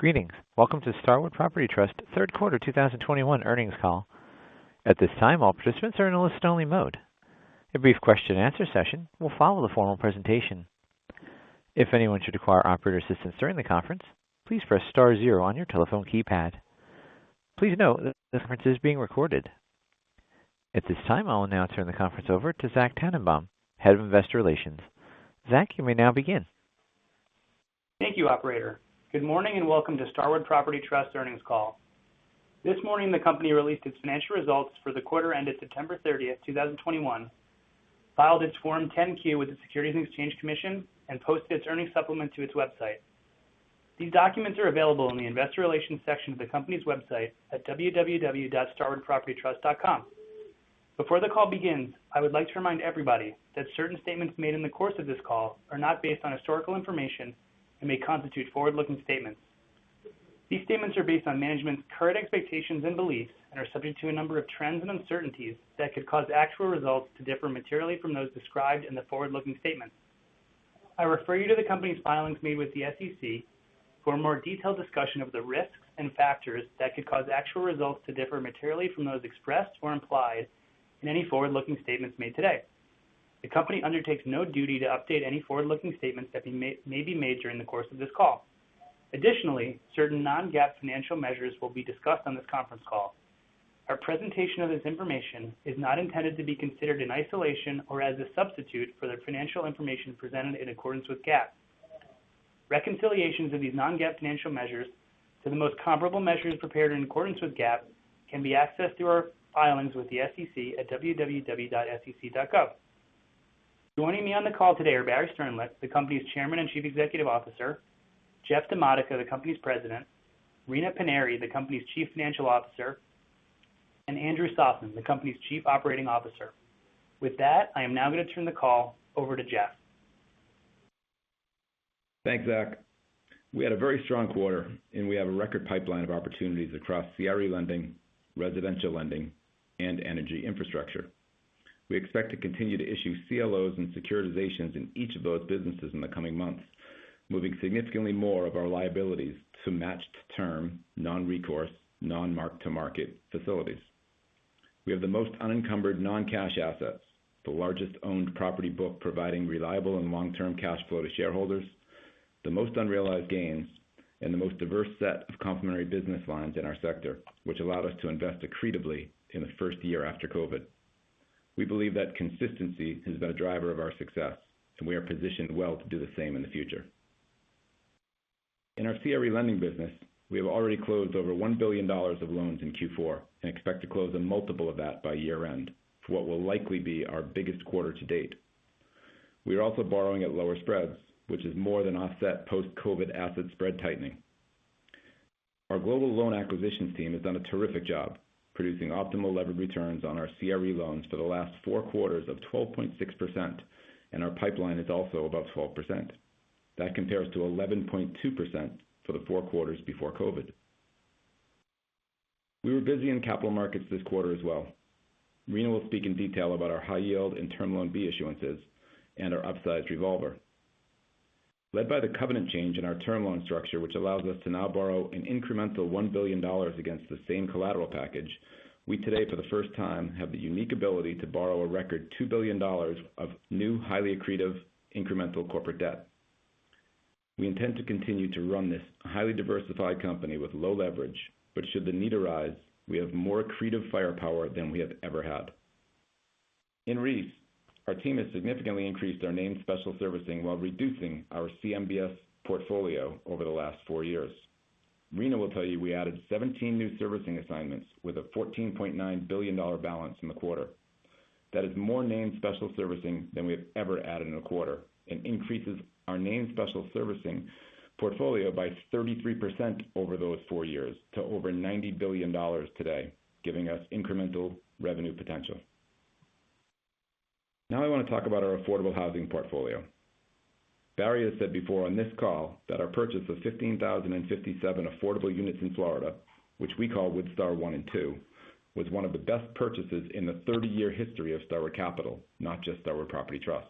Greetings. Welcome to Starwood Property Trust third quarter 2021 earnings call. At this time, all participants are in a listen-only mode. A brief question and answer session will follow the formal presentation. If anyone should require operator assistance during the conference, please press star zero on your telephone keypad. Please note that the conference is being recorded. At this time, I'll now turn the conference over to Zach Tanenbaum, Head of Investor Relations. Zach, you may now begin. Thank you, operator. Good morning and welcome to Starwood Property Trust earnings call. This morning, the company released its financial results for the quarter ended September 30, 2021, filed its Form 10-Q with the Securities and Exchange Commission, and posted its earnings supplement to its website. These documents are available in the investor relations section of the company's website at www.starwoodpropertytrust.com. Before the call begins, I would like to remind everybody that certain statements made in the course of this call are not based on historical information and may constitute forward-looking statements. These statements are based on management's current expectations and beliefs and are subject to a number of trends and uncertainties that could cause actual results to differ materially from those described in the forward-looking statements. I refer you to the company's filings made with the SEC for a more detailed discussion of the risks and factors that could cause actual results to differ materially from those expressed or implied in any forward-looking statements made today. The company undertakes no duty to update any forward-looking statements that may be made during the course of this call. Additionally, certain non-GAAP financial measures will be discussed on this conference call. Our presentation of this information is not intended to be considered in isolation or as a substitute for the financial information presented in accordance with GAAP. Reconciliations of these non-GAAP financial measures to the most comparable measures prepared in accordance with GAAP can be accessed through our filings with the SEC at www.sec.gov. Joining me on the call today are Barry Sternlicht, the company's Chairman and Chief Executive Officer, Jeff DiModica, the company's President, Rina Paniry, the company's Chief Financial Officer, and Andrew Sossen, the company's Chief Operating Officer. With that, I am now going to turn the call over to Jeff. Thanks, Zach. We had a very strong quarter, and we have a record pipeline of opportunities across CRE lending, residential lending, and energy infrastructure. We expect to continue to issue CLO's and securitizations in each of those businesses in the coming months, moving significantly more of our liabilities to matched term, non-recourse, non-mark-to-market facilities. We have the most unencumbered non-cash assets, the largest owned property book providing reliable and long-term cash flow to shareholders, the most unrealized gains, and the most diverse set of complementary business lines in our sector, which allowed us to invest accretively in the first year after COVID. We believe that consistency has been a driver of our success, and we are positioned well to do the same in the future. In our CRE lending business, we have already closed over $1 billion of loans in Q4 and expect to close a multiple of that by year-end for what will likely be our biggest quarter to date. We are also borrowing at lower spreads, which has more than offset post-COVID asset spread tightening. Our global loan acquisition team has done a terrific job producing optimal levered returns on our CRE loans for the last four quarters of 12.6%, and our pipeline is also above 12%. That compares to 11.2% for the four quarters before COVID. We were busy in capital markets this quarter as well. Rina will speak in detail about our high yield and Term Loan B issuances and our upsized revolver. Led by the covenant change in our term loan structure, which allows us to now borrow an incremental $1 billion against the same collateral package, we today, for the first time, have the unique ability to borrow a record $2 billion of new, highly accretive incremental corporate debt. We intend to continue to run this highly diversified company with low leverage, but should the need arise, we have more accretive firepower than we have ever had. In REIS, our team has significantly increased our name special servicing while reducing our CMBS portfolio over the last four years. Rina will tell you we added 17 new servicing assignments with a $14.9 billion balance in the quarter. That is more named special servicing than we have ever added in a quarter and increases our named special servicing portfolio by 33% over those four years to over $90 billion today, giving us incremental revenue potential. Now I want to talk about our affordable housing portfolio. Barry has said before on this call that our purchase of 15,057 affordable units in Florida, which we call WoodStar I and II, was one of the best purchases in the 30-year history of Starwood Capital, not just Starwood Property Trust.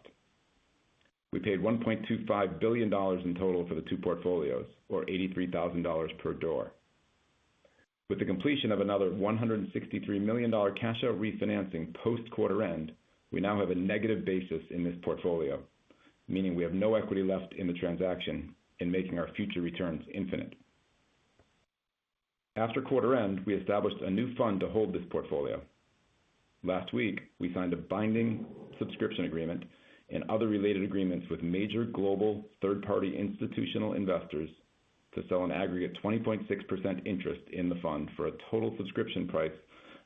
We paid $1.25 billion in total for the two portfolios or $83,000 per door. With the completion of another $163 million cash out refinancing post-quarter end, we now have a negative basis in this portfolio, meaning we have no equity left in the transaction and making our future returns infinite. After quarter end, we established a new fund to hold this portfolio. Last week, we signed a binding subscription agreement and other related agreements with major global third-party institutional investors to sell an aggregate 20.6% interest in the fund for a total subscription price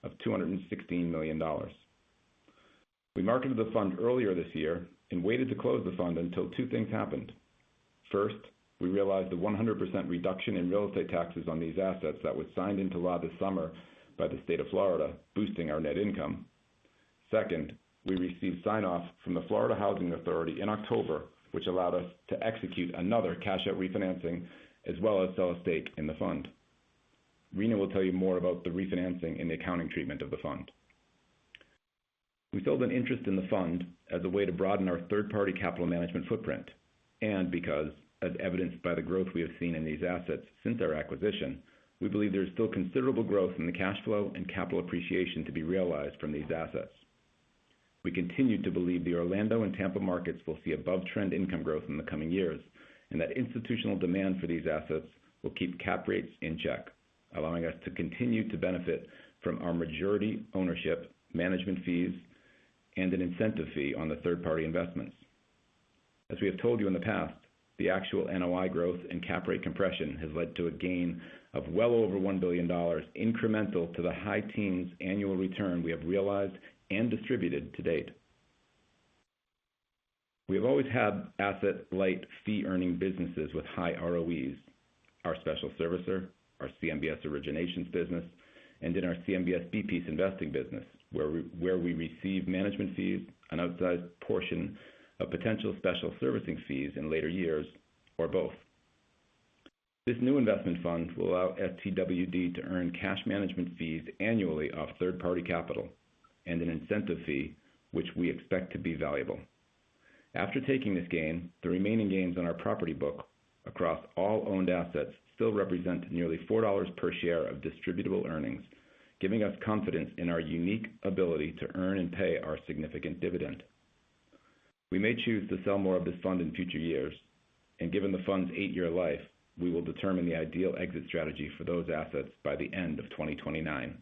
of $216 million. We marketed the fund earlier this year and waited to close the fund until two things happened. First, we realized the 100% reduction in real estate taxes on these assets that was signed into law this summer by the state of Florida, boosting our net income. Second, we received sign-off from the Florida Housing Authority in October, which allowed us to execute another cash out refinancing as well as sell a stake in the fund. Rina will tell you more about the refinancing and the accounting treatment of the fund. We sold an interest in the fund as a way to broaden our third-party capital management footprint and because, as evidenced by the growth we have seen in these assets since our acquisition, we believe there is still considerable growth in the cash flow and capital appreciation to be realized from these assets. We continue to believe the Orlando and Tampa markets will see above-trend income growth in the coming years and that institutional demand for these assets will keep cap rates in check allowing us to continue to benefit from our majority ownership management fees and an incentive fee on the third-party investments. As we have told you in the past, the actual NOI growth and cap rate compression has led to a gain of well over $1 billion incremental to the high teens annual return we have realized and distributed to date. We have always had asset-light fee-earning businesses with high ROEs, our special servicer, our CMBS originations business and in our CMBS B-piece investing business where we receive management fees, an outsized portion of potential special servicing fees in later years or both. This new investment fund will allow STWD to earn cash management fees annually off third-party capital and an incentive fee which we expect to be valuable. After taking this gain, the remaining gains on our property book across all owned assets still represent nearly $4 per share of distributable earnings, giving us confidence in our unique ability to earn and pay our significant dividend. We may choose to sell more of this fund in future years, and given the fund's eight-year life, we will determine the ideal exit strategy for those assets by the end of 2029.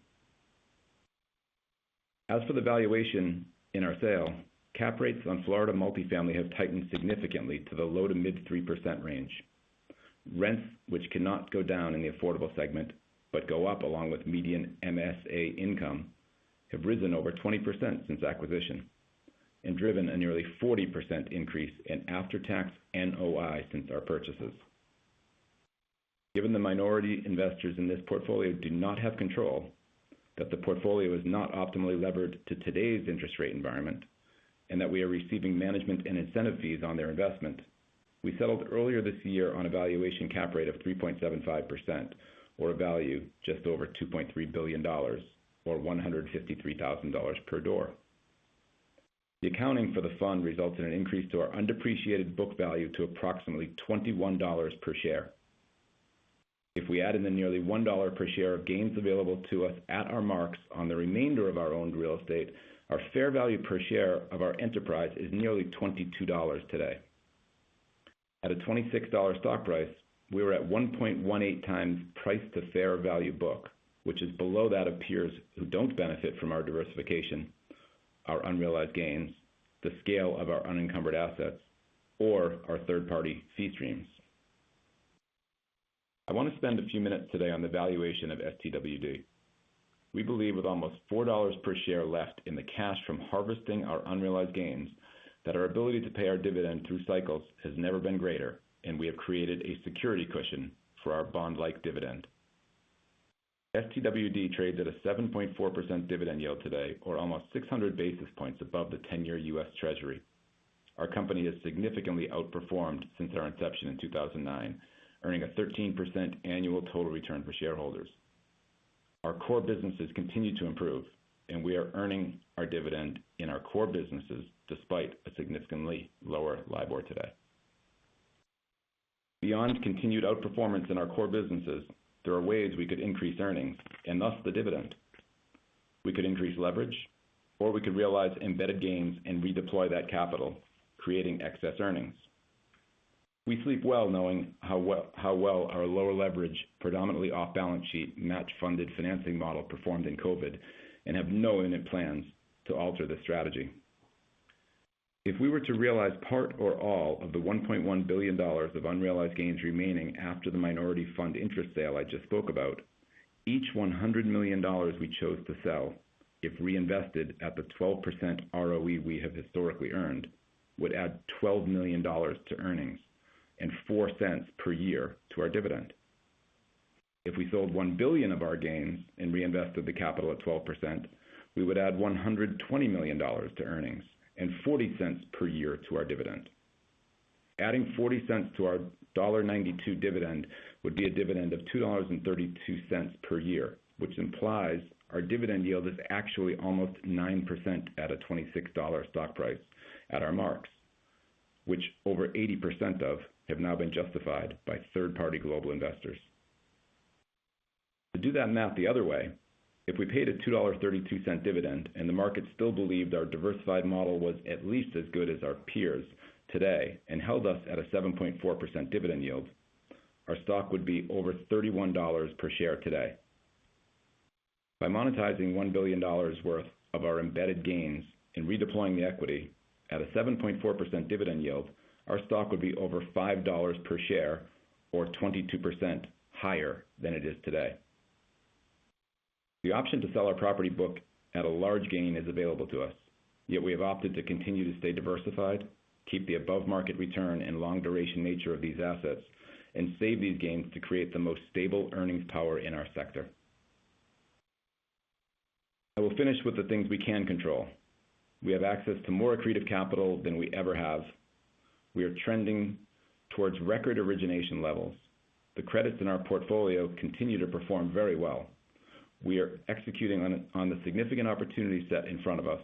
As for the valuation in our sale, cap rates on Florida multifamily have tightened significantly to the low- to mid-3% range. Rents, which cannot go down in the affordable segment but go up along with median MSA income, have risen over 20% since acquisition and driven a nearly 40% increase in after-tax NOI since our purchases. Given the minority investors in this portfolio do not have control, that the portfolio is not optimally levered to today's interest rate environment, and that we are receiving management and incentive fees on their investment. We settled earlier this year on a valuation cap rate of 3.75% or a value just over $2.3 billion or $153,000 per door. The accounting for the fund results in an increase to our undepreciated book value to approximately $21 per share. If we add in the nearly $1 per share of gains available to us at our marks on the remainder of our owned real estate, our fair value per share of our enterprise is nearly $22 today. At a $26 stock price, we are at 1.18x price to fair value book, which is below that of peers who don't benefit from our diversification, our unrealized gains, the scale of our unencumbered assets or our third-party fee streams. I want to spend a few minutes today on the valuation of STWD. We believe with almost $4 per share left in the cash from harvesting our unrealized gains, that our ability to pay our dividend through cycles has never been greater and we have created a security cushion for our bond-like dividend. STWD trades at a 7.4% dividend yield today or almost 600 basis points above the 10-year U.S. Treasury. Our company has significantly outperformed since our inception in 2009, earning a 13% annual total return for shareholders. Our core businesses continue to improve and we are earning our dividend in our core businesses despite a significantly lower LIBOR today. Beyond continued outperformance in our core businesses, there are ways we could increase earnings and thus the dividend. We could increase leverage or we could realize embedded gains and redeploy that capital, creating excess earnings. We sleep well knowing how well our lower leverage predominantly off-balance sheet match-funded financing model performed in COVID and have no imminent plans to alter the strategy. If we were to realize part or all of the $1.1 billion of unrealized gains remaining after the minority fund interest sale I just spoke about, each $100 million we chose to sell if reinvested at the 12% ROE we have historically earned would add $12 million to earnings and $0.04 per year to our dividend. If we sold $1 billion of our gains and reinvested the capital at 12%, we would add $120 million to earnings and $0.40 per year to our dividend. Adding $0.40 to our $1.92 dividend would be a dividend of $2.32 per year, which implies our dividend yield is actually almost 9% at a $26 stock price at our marks, which over 80% of have now been justified by third-party global investors. To do that math the other way, if we paid a $2.32 dividend and the market still believed our diversified model was at least as good as our peers today and held us at a 7.4% dividend yield, our stock would be over $31 per share today. By monetizing $1 billion worth of our embedded gains and redeploying the equity at a 7.4% dividend yield, our stock would be over $5 per share or 22% higher than it is today. The option to sell our property book at a large gain is available to us, yet we have opted to continue to stay diversified, keep the above market return and long duration nature of these assets and save these gains to create the most stable earnings power in our sector. I will finish with the things we can control. We have access to more accretive capital than we ever have. We are trending towards record origination levels. The credits in our portfolio continue to perform very well. We are executing on the significant opportunity set in front of us,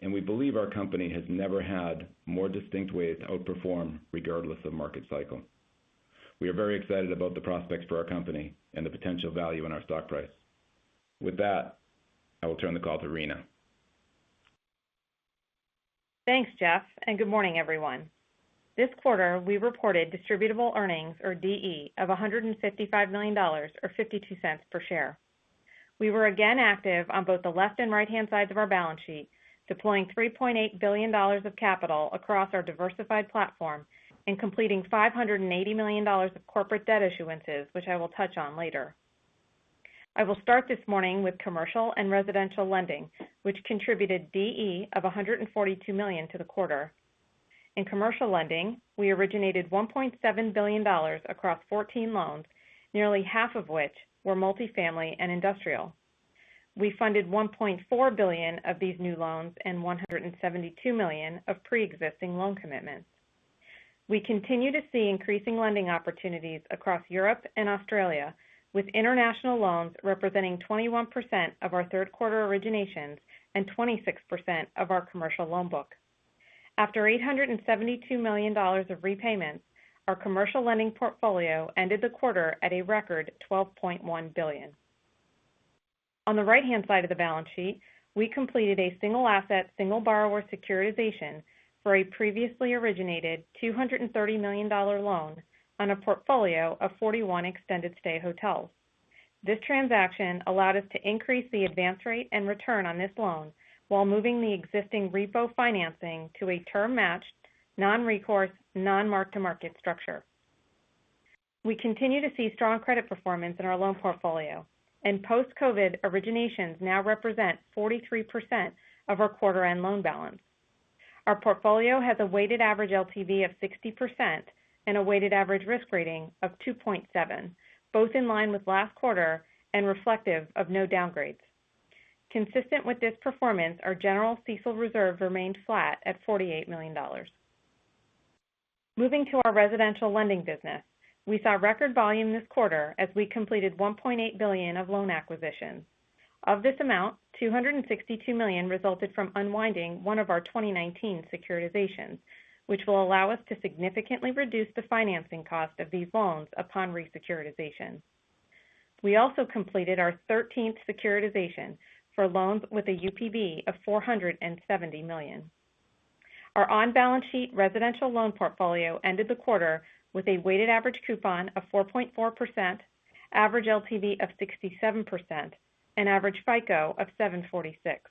and we believe our company has never had more distinct ways to outperform regardless of market cycle. We are very excited about the prospects for our company and the potential value in our stock price. With that, I will turn the call to Rina. Thanks, Jeff, and good morning, everyone. This quarter, we reported distributable earnings, or DE, of $155 million, or $0.52 per share. We were again active on both the left and right-hand sides of our balance sheet, deploying $3.8 billion of capital across our diversified platform and completing $580 million of corporate debt issuances, which I will touch on later. I will start this morning with commercial and residential lending, which contributed DE of $142 million to the quarter. In commercial lending, we originated $1.7 billion across 14 loans, nearly half of which were multifamily and industrial. We funded $1.4 billion of these new loans and $172 million of pre-existing loan commitments. We continue to see increasing lending opportunities across Europe and Australia, with international loans representing 21% of our third quarter originations and 26% of our commercial loan book. After $872 million of repayments, our commercial lending portfolio ended the quarter at a record $12.1 billion. On the right-hand side of the balance sheet, we completed a single asset, single borrower securitization for a previously originated $230 million loan on a portfolio of 41 extended stay hotels. This transaction allowed us to increase the advance rate and return on this loan while moving the existing repo financing to a term matched, non-recourse, non-mark to market structure. We continue to see strong credit performance in our loan portfolio and post-COVID originations now represent 43% of our quarter end loan balance. Our portfolio has a weighted average LTV of 60% and a weighted average risk rating of 2.7, both in line with last quarter and reflective of no downgrades. Consistent with this performance, our general CECL reserve remained flat at $48 million. Moving to our residential lending business, we saw record volume this quarter as we completed $1.8 billion of loan acquisitions. Of this amount, $262 million resulted from unwinding one of our 2019 securitizations, which will allow us to significantly reduce the financing cost of these loans upon re-securitization. We also completed our thirteenth securitization for loans with a UPB of $470 million. Our on-balance sheet residential loan portfolio ended the quarter with a weighted average coupon of 4.4%, average LTV of 67% and average FICO of 746.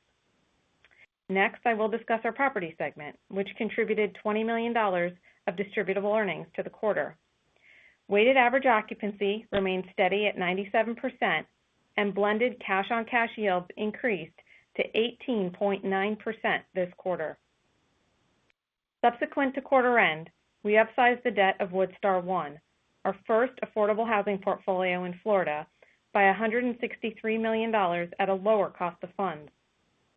Next, I will discuss our property segment, which contributed $20 million of distributable earnings to the quarter. Weighted average occupancy remained steady at 97% and blended cash on cash yields increased to 18.9% this quarter. Subsequent to quarter end, we upsized the debt of WoodStar I, our first affordable housing portfolio in Florida by $163 million at a lower cost of funds.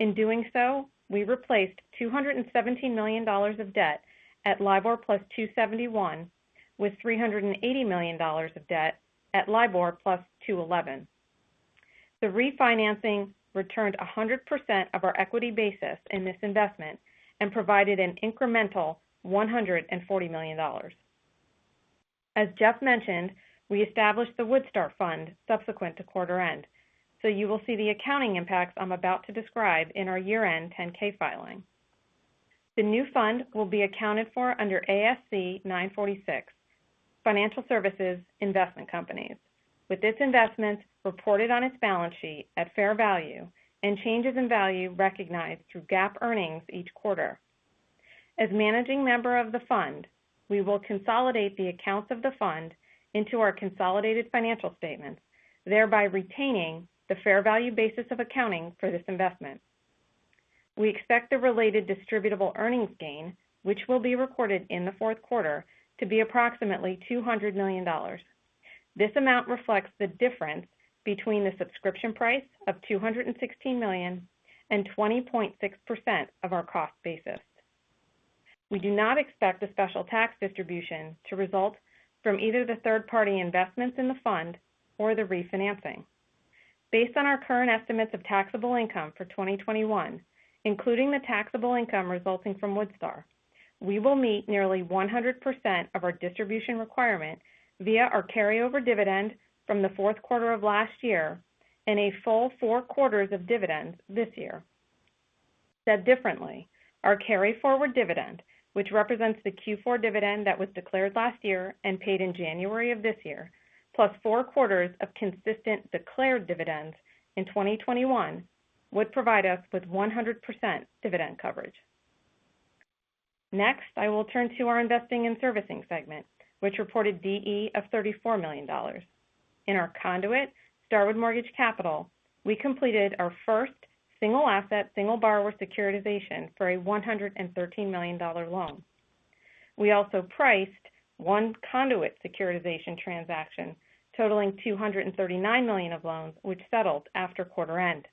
In doing so, we replaced $217 million of debt at LIBOR + 271 with $380 million of debt at LIBOR + 211. The refinancing returned 100% of our equity basis in this investment and provided an incremental $140 million. As Jeff mentioned, we established the WoodStar Fund subsequent to quarter end, so you will see the accounting impacts I'm about to describe in our year-end 10-K filing. The new fund will be accounted for under ASC 946, Financial Services Investment Companies, with this investment reported on its balance sheet at fair value and changes in value recognized through GAAP earnings each quarter. As managing member of the fund, we will consolidate the accounts of the fund into our consolidated financial statements, thereby retaining the fair value basis of accounting for this investment. We expect the related distributable earnings gain, which will be recorded in the fourth quarter, to be approximately $200 million. This amount reflects the difference between the subscription price of $216 million and 20.6% of our cost basis. We do not expect a special tax distribution to result from either the third-party investments in the fund or the refinancing. Based on our current estimates of taxable income for 2021, including the taxable income resulting from WoodStar, we will meet nearly 100% of our distribution requirement via our carryover dividend from the fourth quarter of last year and a full four quarters of dividends this year. Said differently, our carry forward dividend, which represents the Q4 dividend that was declared last year and paid in January of this year, plus four quarters of consistent declared dividends in 2021 would provide us with 100% dividend coverage. Next, I will turn to our investing and servicing segment, which reported DE of $34 million. In our conduit, Starwood Mortgage Capital, we completed our first single asset, single borrower securitization for a $113 million loan. We also priced one conduit securitization transaction totaling $239 million of loans which settled after quarter end.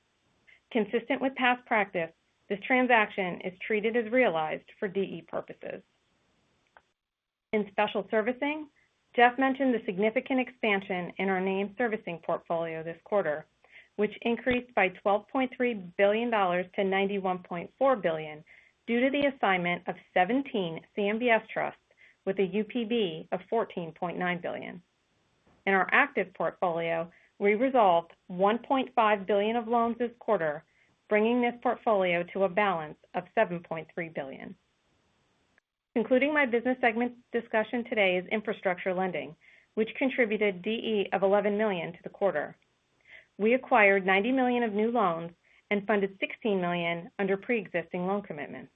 Consistent with past practice, this transaction is treated as realized for DE purposes. In special servicing, Jeff mentioned the significant expansion in our named servicing portfolio this quarter, which increased by $12.3 billion to $91.4 billion due to the assignment of 17 CMBS trusts with a UPB of $14.9 billion. In our active portfolio, we resolved $1.5 billion of loans this quarter, bringing this portfolio to a balance of $7.3 billion. Concluding my business segment discussion today is infrastructure lending, which contributed DE of $11 million to the quarter. We acquired $90 million of new loans and funded $16 million under pre-existing loan commitments.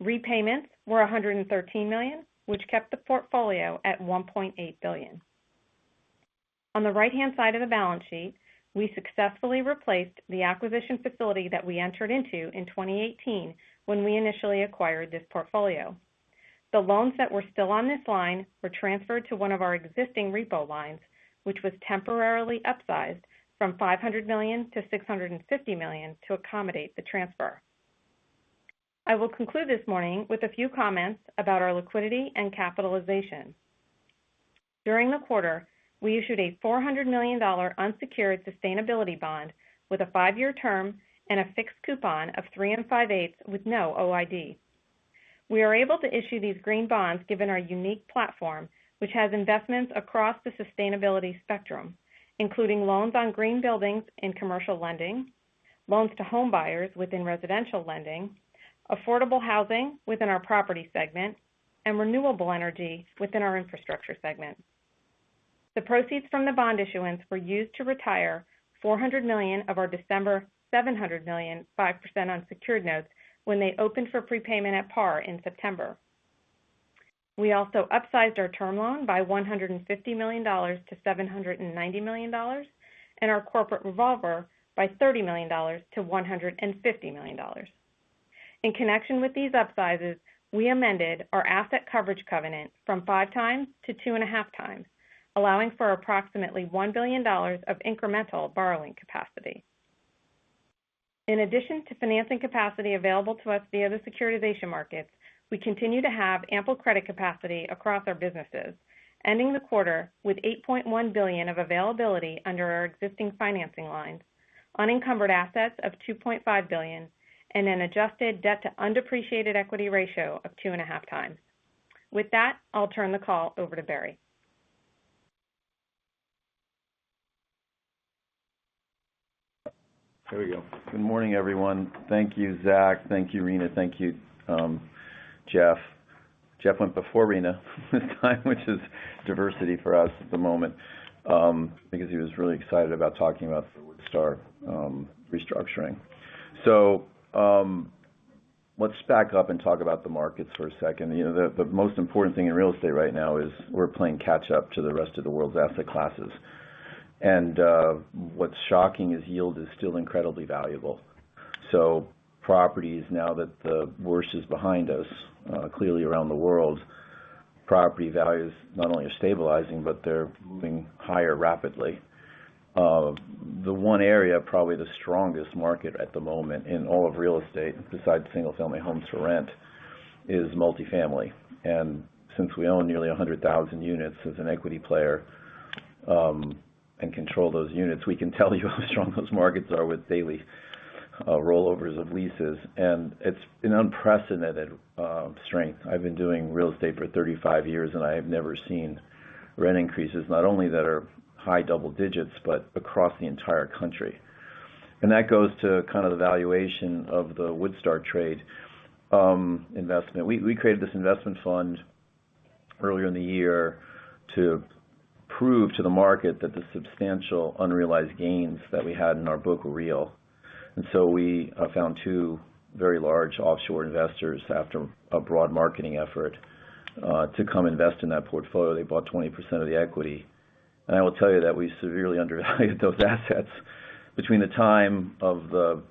Repayments were $113 million, which kept the portfolio at $1.8 billion. On the right-hand side of the balance sheet, we successfully replaced the acquisition facility that we entered into in 2018 when we initially acquired this portfolio. The loans that were still on this line were transferred to one of our existing repo lines, which was temporarily upsized from $500 million to $650 million to accommodate the transfer. I will conclude this morning with a few comments about our liquidity and capitalization. During the quarter, we issued a $400 million unsecured sustainability bond with a five-year term and a fixed coupon of 3 5/8% with no OID. We are able to issue these green bonds given our unique platform, which has investments across the sustainability spectrum, including loans on green buildings in commercial lending, loans to home buyers within residential lending, affordable housing within our property segment, and renewable energy within our infrastructure segment. The proceeds from the bond issuance were used to retire $400 million of our December $700 million 5% unsecured notes when they opened for prepayment at par in September. We also upsized our term loan by $150 million to $790 million and our corporate revolver by $30 million to $150 million. In connection with these upsizes, we amended our asset coverage covenant from 5x to 2.5x, allowing for approximately $1 billion of incremental borrowing capacity. In addition to financing capacity available to us via the securitization markets, we continue to have ample credit capacity across our businesses, ending the quarter with $8.1 billion of availability under our existing financing lines, unencumbered assets of $2.5 billion, and an adjusted debt-to-undepreciated equity ratio of 2.5x. With that, I'll turn the call over to Barry. There we go. Good morning, everyone. Thank you, Zach. Thank you, Rina. Thank you, Jeff. Jeff went before Rina this time, which is diversity for us at the moment, because he was really excited about talking about the WoodStar restructuring. Let's back up and talk about the markets for a second. You know, the most important thing in real estate right now is we're playing catch-up to the rest of the world's asset classes. What's shocking is yield is still incredibly valuable. Properties now that the worst is behind us, clearly around the world, property values not only are stabilizing, but they're moving higher rapidly. The one area, probably the strongest market at the moment in all of real estate besides single-family homes for rent is multifamily. Since we own nearly 100,000 units as an equity player, and control those units, we can tell you how strong those markets are with daily rollovers of leases. It's an unprecedented strength. I've been doing real estate for 35 years, and I have never seen rent increases, not only that are high double digits, but across the entire country. That goes to kind of the valuation of the WoodStar trade, investment. We created this investment fund earlier in the year to prove to the market that the substantial unrealized gains that we had in our book were real. We found two very large offshore investors after a broad marketing effort to come invest in that portfolio. They bought 20% of the equity. I will tell you that we severely undervalued those assets between the time of the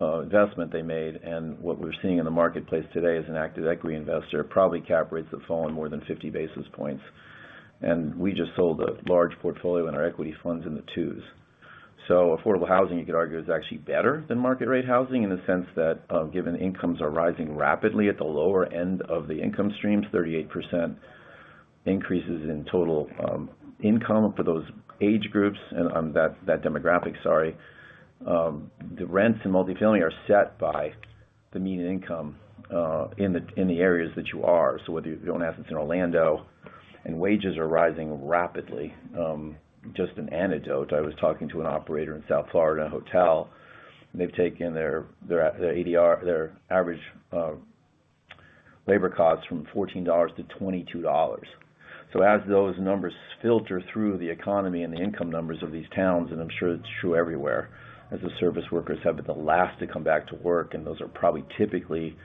investment they made and what we're seeing in the marketplace today as an active equity investor. Probably cap rates have fallen more than 50 basis points. We just sold a large portfolio in our equity funds in the twos. Affordable housing, you could argue, is actually better than market-rate housing in the sense that given incomes are rising rapidly at the lower end of the income streams, 38% increases in total income for those age groups and that demographic, sorry. The rents in multifamily are set by the median income in the areas that you are. Whether you own assets in Orlando and wages are rising rapidly. Just an anecdote. I was talking to an operator in South Florida, a hotel. They've taken their ADR, their average labor costs from $14 to $22. As those numbers filter through the economy and the income numbers of these towns, and I'm sure it's true everywhere, as the service workers have been the last to come back to work, and those are probably typically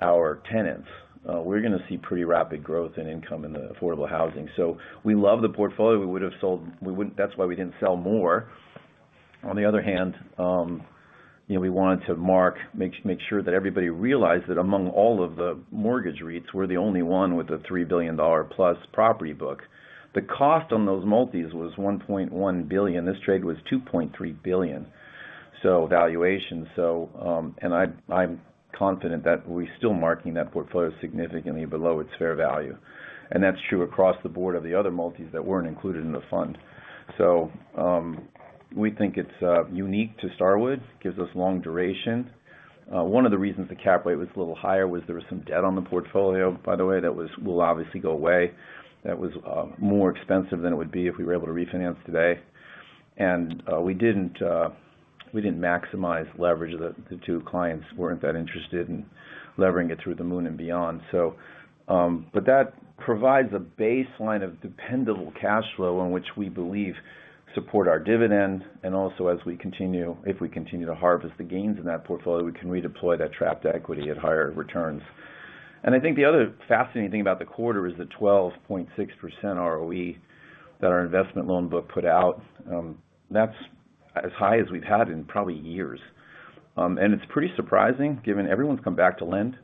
our tenants, we're going to see pretty rapid growth in income in the affordable housing. We love the portfolio. That's why we didn't sell more. On the other hand, you know, we wanted to make sure that everybody realized that among all of the mortgage REITs, we're the only one with a $3 billion+ property book. The cost on those multis was $1.1 billion. This trade was $2.3 billion. Valuation. I'm confident that we're still marking that portfolio significantly below its fair value. That's true across the board of the other multis that weren't included in the fund. We think it's unique to Starwood. Gives us long duration. One of the reasons the cap rate was a little higher was there was some debt on the portfolio, by the way, that will obviously go away. That was more expensive than it would be if we were able to refinance today. We didn't maximize leverage. The two clients weren't that interested in levering it through the moon and beyond. that provides a baseline of dependable cash flow in which we believe support our dividend, and also if we continue to harvest the gains in that portfolio, we can redeploy that trapped equity at higher returns. I think the other fascinating thing about the quarter is the 12.6% ROE that our investment loan book put out. That's as high as we've had in probably years. It's pretty surprising given everyone's come back to lend.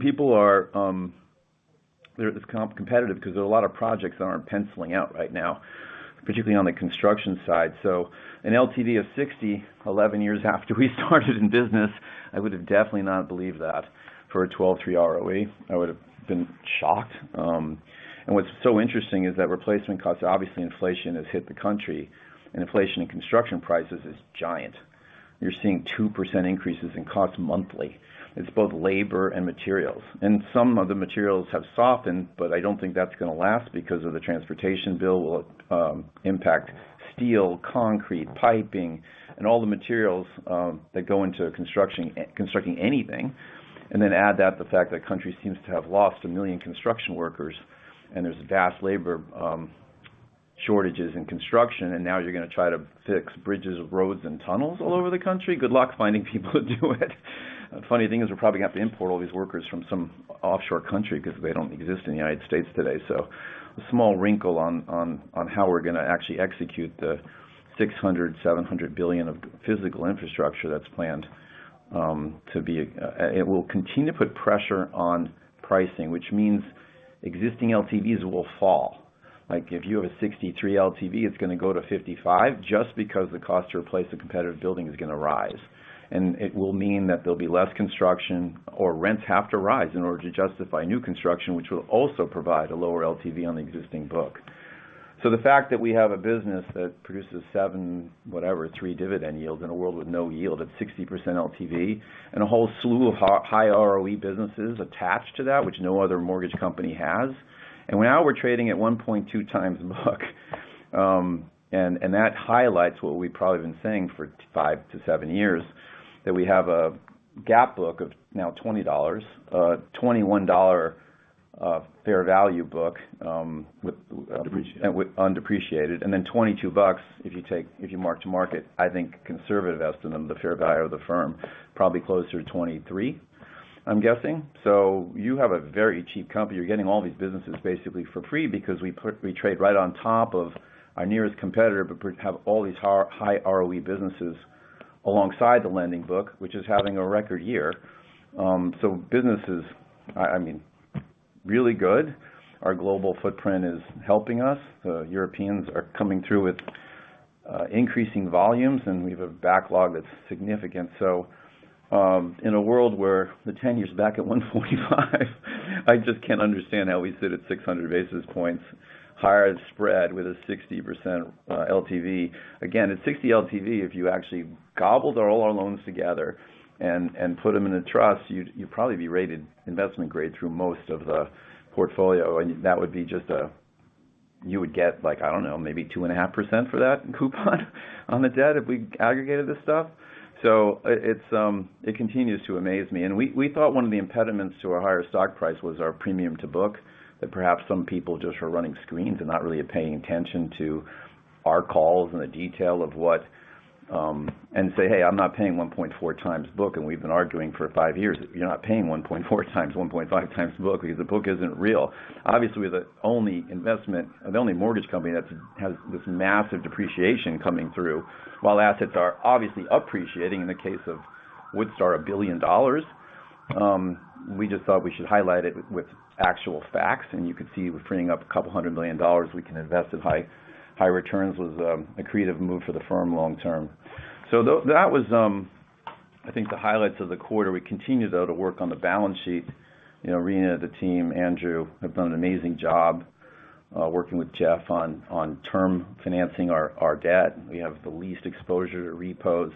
People are competitive because there are a lot of projects that aren't penciling out right now, particularly on the construction side. An LTV of 60%, 11 years after we started in business, I would have definitely not believed that for a 12.3% ROE. I would've been shocked. What's so interesting is that replacement costs, obviously inflation has hit the country, and inflation in construction prices is giant. You're seeing 2% increases in cost monthly. It's both labor and materials. Some of the materials have softened, but I don't think that's gonna last because of the transportation bill will impact steel, concrete, piping, and all the materials that go into constructing anything. Then add to the fact that the country seems to have lost a million construction workers, and there's vast labor shortages in construction, and now you're gonna try to fix bridges, roads, and tunnels all over the country. Good luck finding people to do it. The funny thing is we're probably gonna have to import all these workers from some offshore country 'cause they don't exist in the United States today. A small wrinkle on how we're gonna actually execute the $600 billion, $700 billion of physical infrastructure that's planned. It will continue to put pressure on pricing, which means existing LTVs will fall. Like, if you have a 63% LTV, it's gonna go to 55% just because the cost to replace a competitive building is gonna rise. It will mean that there'll be less construction or rents have to rise in order to justify new construction, which will also provide a lower LTV on the existing book. The fact that we have a business that produces 7.3% dividend yields in a world with no yield at 60% LTV, and a whole slew of high ROE businesses attached to that, which no other mortgage company has. Now we're trading at 1.2x book. That highlights what we've probably been saying for five to seven years, that we have a GAAP book of now $20, $21 fair value book, with... with undepreciated, and then $22 if you take, if you mark to market, I think, conservative estimate of the fair value of the firm. Probably closer to 23, I'm guessing. You have a very cheap company. You're getting all these businesses basically for free because we put, we trade right on top of our nearest competitor, but have all these high ROE businesses alongside the lending book, which is having a record year. Business is, I mean, really good. Our global footprint is helping us. The Europeans are coming through with increasing volumes, and we have a backlog that's significant. In a world where the 10-year's back at 145 basis points, I just can't understand how we sit at 600 basis points higher spread with a 60% LTV. Again, at 60% LTV, if you actually gobbled all our loans together and put them in a trust, you'd probably be rated investment grade through most of the portfolio. That would be just a. You would get like, I don't know, maybe 2.5% for that coupon on the debt if we aggregated this stuff. It continues to amaze me. We thought one of the impediments to our higher stock price was our premium to book, that perhaps some people just were running screens and not really paying attention to our calls and the detail of what. Say, "Hey, I'm not paying 1.4 times book," and we've been arguing for five years, "You're not paying 1.4 times, 1.5 times book because the book isn't real." Obviously, we're the only mortgage company that has this massive depreciation coming through, while assets are obviously appreciating. In the case of WoodStar, $1 billion. We just thought we should highlight it with actual facts. You could see with freeing up $200 million we can invest at high returns was a creative move for the firm long term. That was, I think, the highlights of the quarter. We continue, though, to work on the balance sheet. You know, Rina, the team, Andrew, have done an amazing job working with Jeff on term financing our debt. We have the least exposure to repos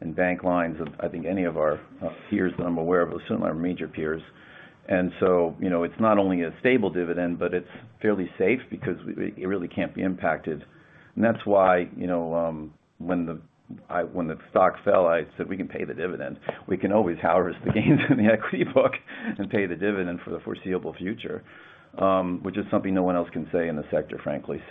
and bank lines of, I think, any of our peers that I'm aware of, or certainly our major peers. You know, it's not only a stable dividend, but it's fairly safe because we, it really can't be impacted. That's why, you know, when the stock fell, I said, "We can pay the dividend." We can always harvest the gains in the equity book and pay the dividend for the foreseeable future, which is something no one else can say in the sector, frankly.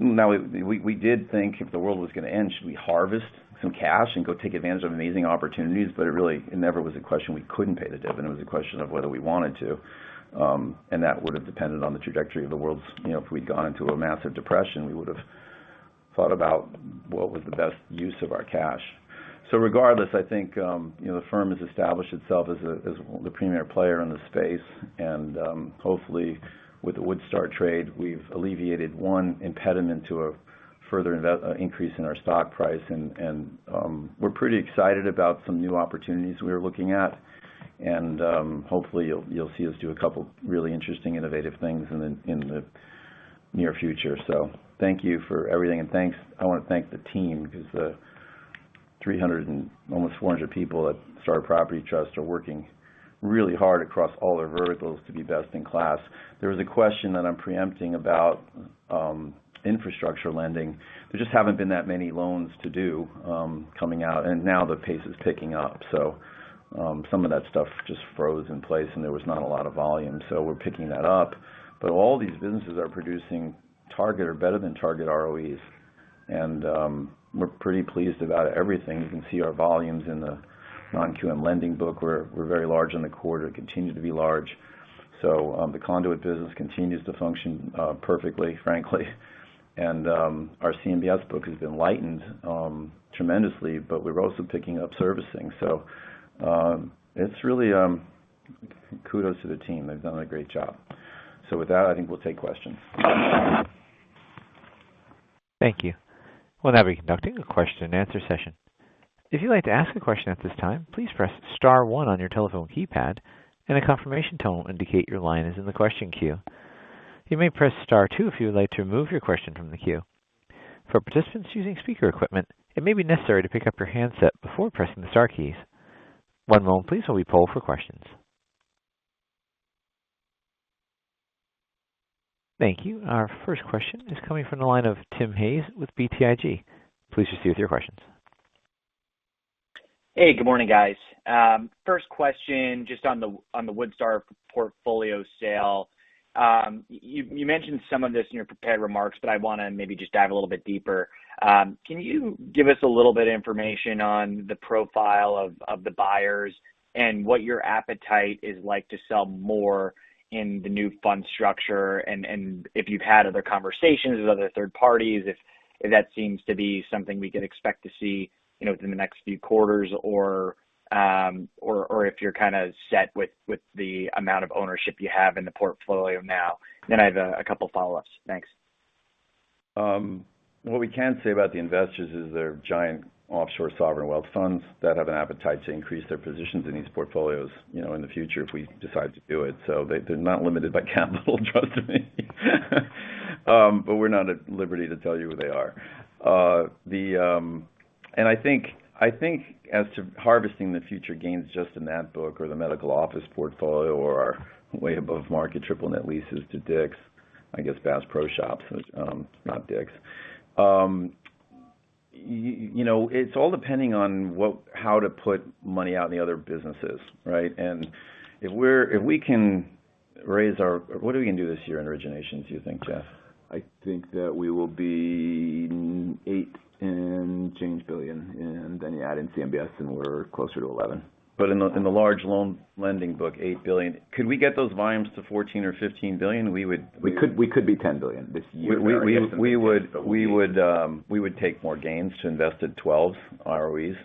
Now we did think if the world was gonna end, should we harvest some cash and go take advantage of amazing opportunities? It really never was a question we couldn't pay the dividend. It was a question of whether we wanted to. That would have depended on the trajectory of the world's. You know, if we'd gone into a massive depression, we would've thought about what was the best use of our cash. Regardless, I think, you know, the firm has established itself as a, as the premier player in the space. Hopefully, with the WoodStar trade, we've alleviated one impediment to a further increase in our stock price. We're pretty excited about some new opportunities we are looking at. Hopefully, you'll see us do a couple really interesting, innovative things in the near future. Thank you for everything. I wanna thank the team because the 300 and almost 400 people at Starwood Property Trust are working really hard across all our verticals to be best in class. There was a question that I'm preempting about infrastructure lending. There just haven't been that many loans to do coming out, and now the pace is picking up. Some of that stuff just froze in place, and there was not a lot of volume, so we're picking that up. All these businesses are producing target or better than target ROEs. We're pretty pleased about everything. You can see our volumes in the non-QM lending book. We're very large in the quarter, continue to be large. The conduit business continues to function perfectly, frankly. Our CMBS book has been lightened tremendously, but we're also picking up servicing. It's really kudos to the team. They've done a great job. With that, I think we'll take questions. Thank you. We'll now be conducting a question and answer session. If you'd like to ask a question at this time, please press star one on your telephone keypad, and a confirmation tone will indicate your line is in the question queue. You may press star two if you would like to remove your question from the queue. For participants using speaker equipment, it may be necessary to pick up your handset before pressing the star keys. One moment, please, while we poll for questions. Thank you. Our first question is coming from the line of Tim Hayes with BTIG. Please proceed with your questions. Hey, good morning, guys. First question, just on the WoodStar portfolio sale. You mentioned some of this in your prepared remarks, but I wanna maybe just dive a little bit deeper. Can you give us a little bit of information on the profile of the buyers and what your appetite is like to sell more in the new fund structure and if you've had other conversations with other third parties, if that seems to be something we could expect to see, you know, within the next few quarters or if you're kind of set with the amount of ownership you have in the portfolio now? Then I have a couple follow-ups. Thanks. What we can say about the investors is they're giant offshore sovereign wealth funds that have an appetite to increase their positions in these portfolios, you know, in the future if we decide to do it. They're not limited by capital, trust me. But we're not at liberty to tell you who they are. I think as to harvesting the future gains just in that book or the medical office portfolio or our way above market triple net leases to DICK'S, I guess Bass Pro Shops, not DICK'S. You know, it's all depending on how to put money out in the other businesses, right? If we can raise our... What are we gonna do this year in originations, do you think, Jeff? I think that we will be $8 billion and change, and then you add in CMBS, and we're closer to $11 billion. In the large loan lending book, $8 billion. Could we get those volumes to $14 billion or $15 billion? We would- We could be $10 billion this year. We would take more gains to invest at 12% ROEs.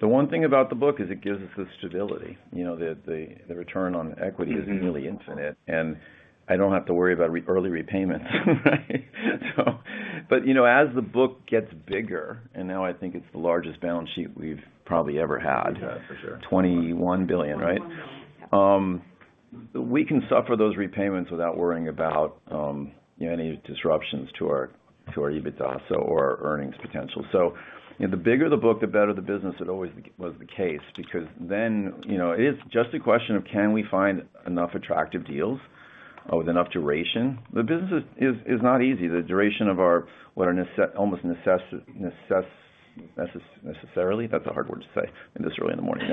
The one thing about the book is it gives us the stability. You know, the return on equity- Mm-hmm. Is nearly infinite, and I don't have to worry about early repayments, right? You know, as the book gets bigger, and now I think it's the largest balance sheet we've probably ever had. We have, for sure. $21 billion, right? We can suffer those repayments without worrying about any disruptions to our EBITDA or our earnings potential. You know, the bigger the book, the better the business. It always was the case because then, you know, it's just a question of can we find enough attractive deals with enough duration. The business is not easy. The duration of our necessarily transition loans. That's a hard word to say this early in the morning.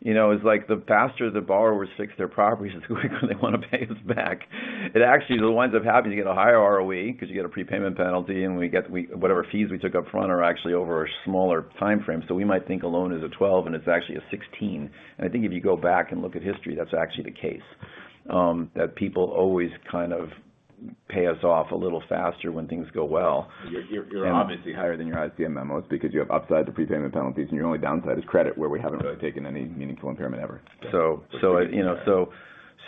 You know, it's like the faster the borrower fixes their properties is how quickly they wanna pay us back. It actually winds up happening. You get a higher ROE because you get a prepayment penalty. We get whatever fees we took up front are actually over a smaller timeframe. We might think a loan is a 12, and it's actually a 16. I think if you go back and look at history, that's actually the case that people always kind of pay us off a little faster when things go well. You're obviously higher than your ICM memos because you have upside to prepayment penalties, and your only downside is credit, where we haven't really taken any meaningful impairment ever. You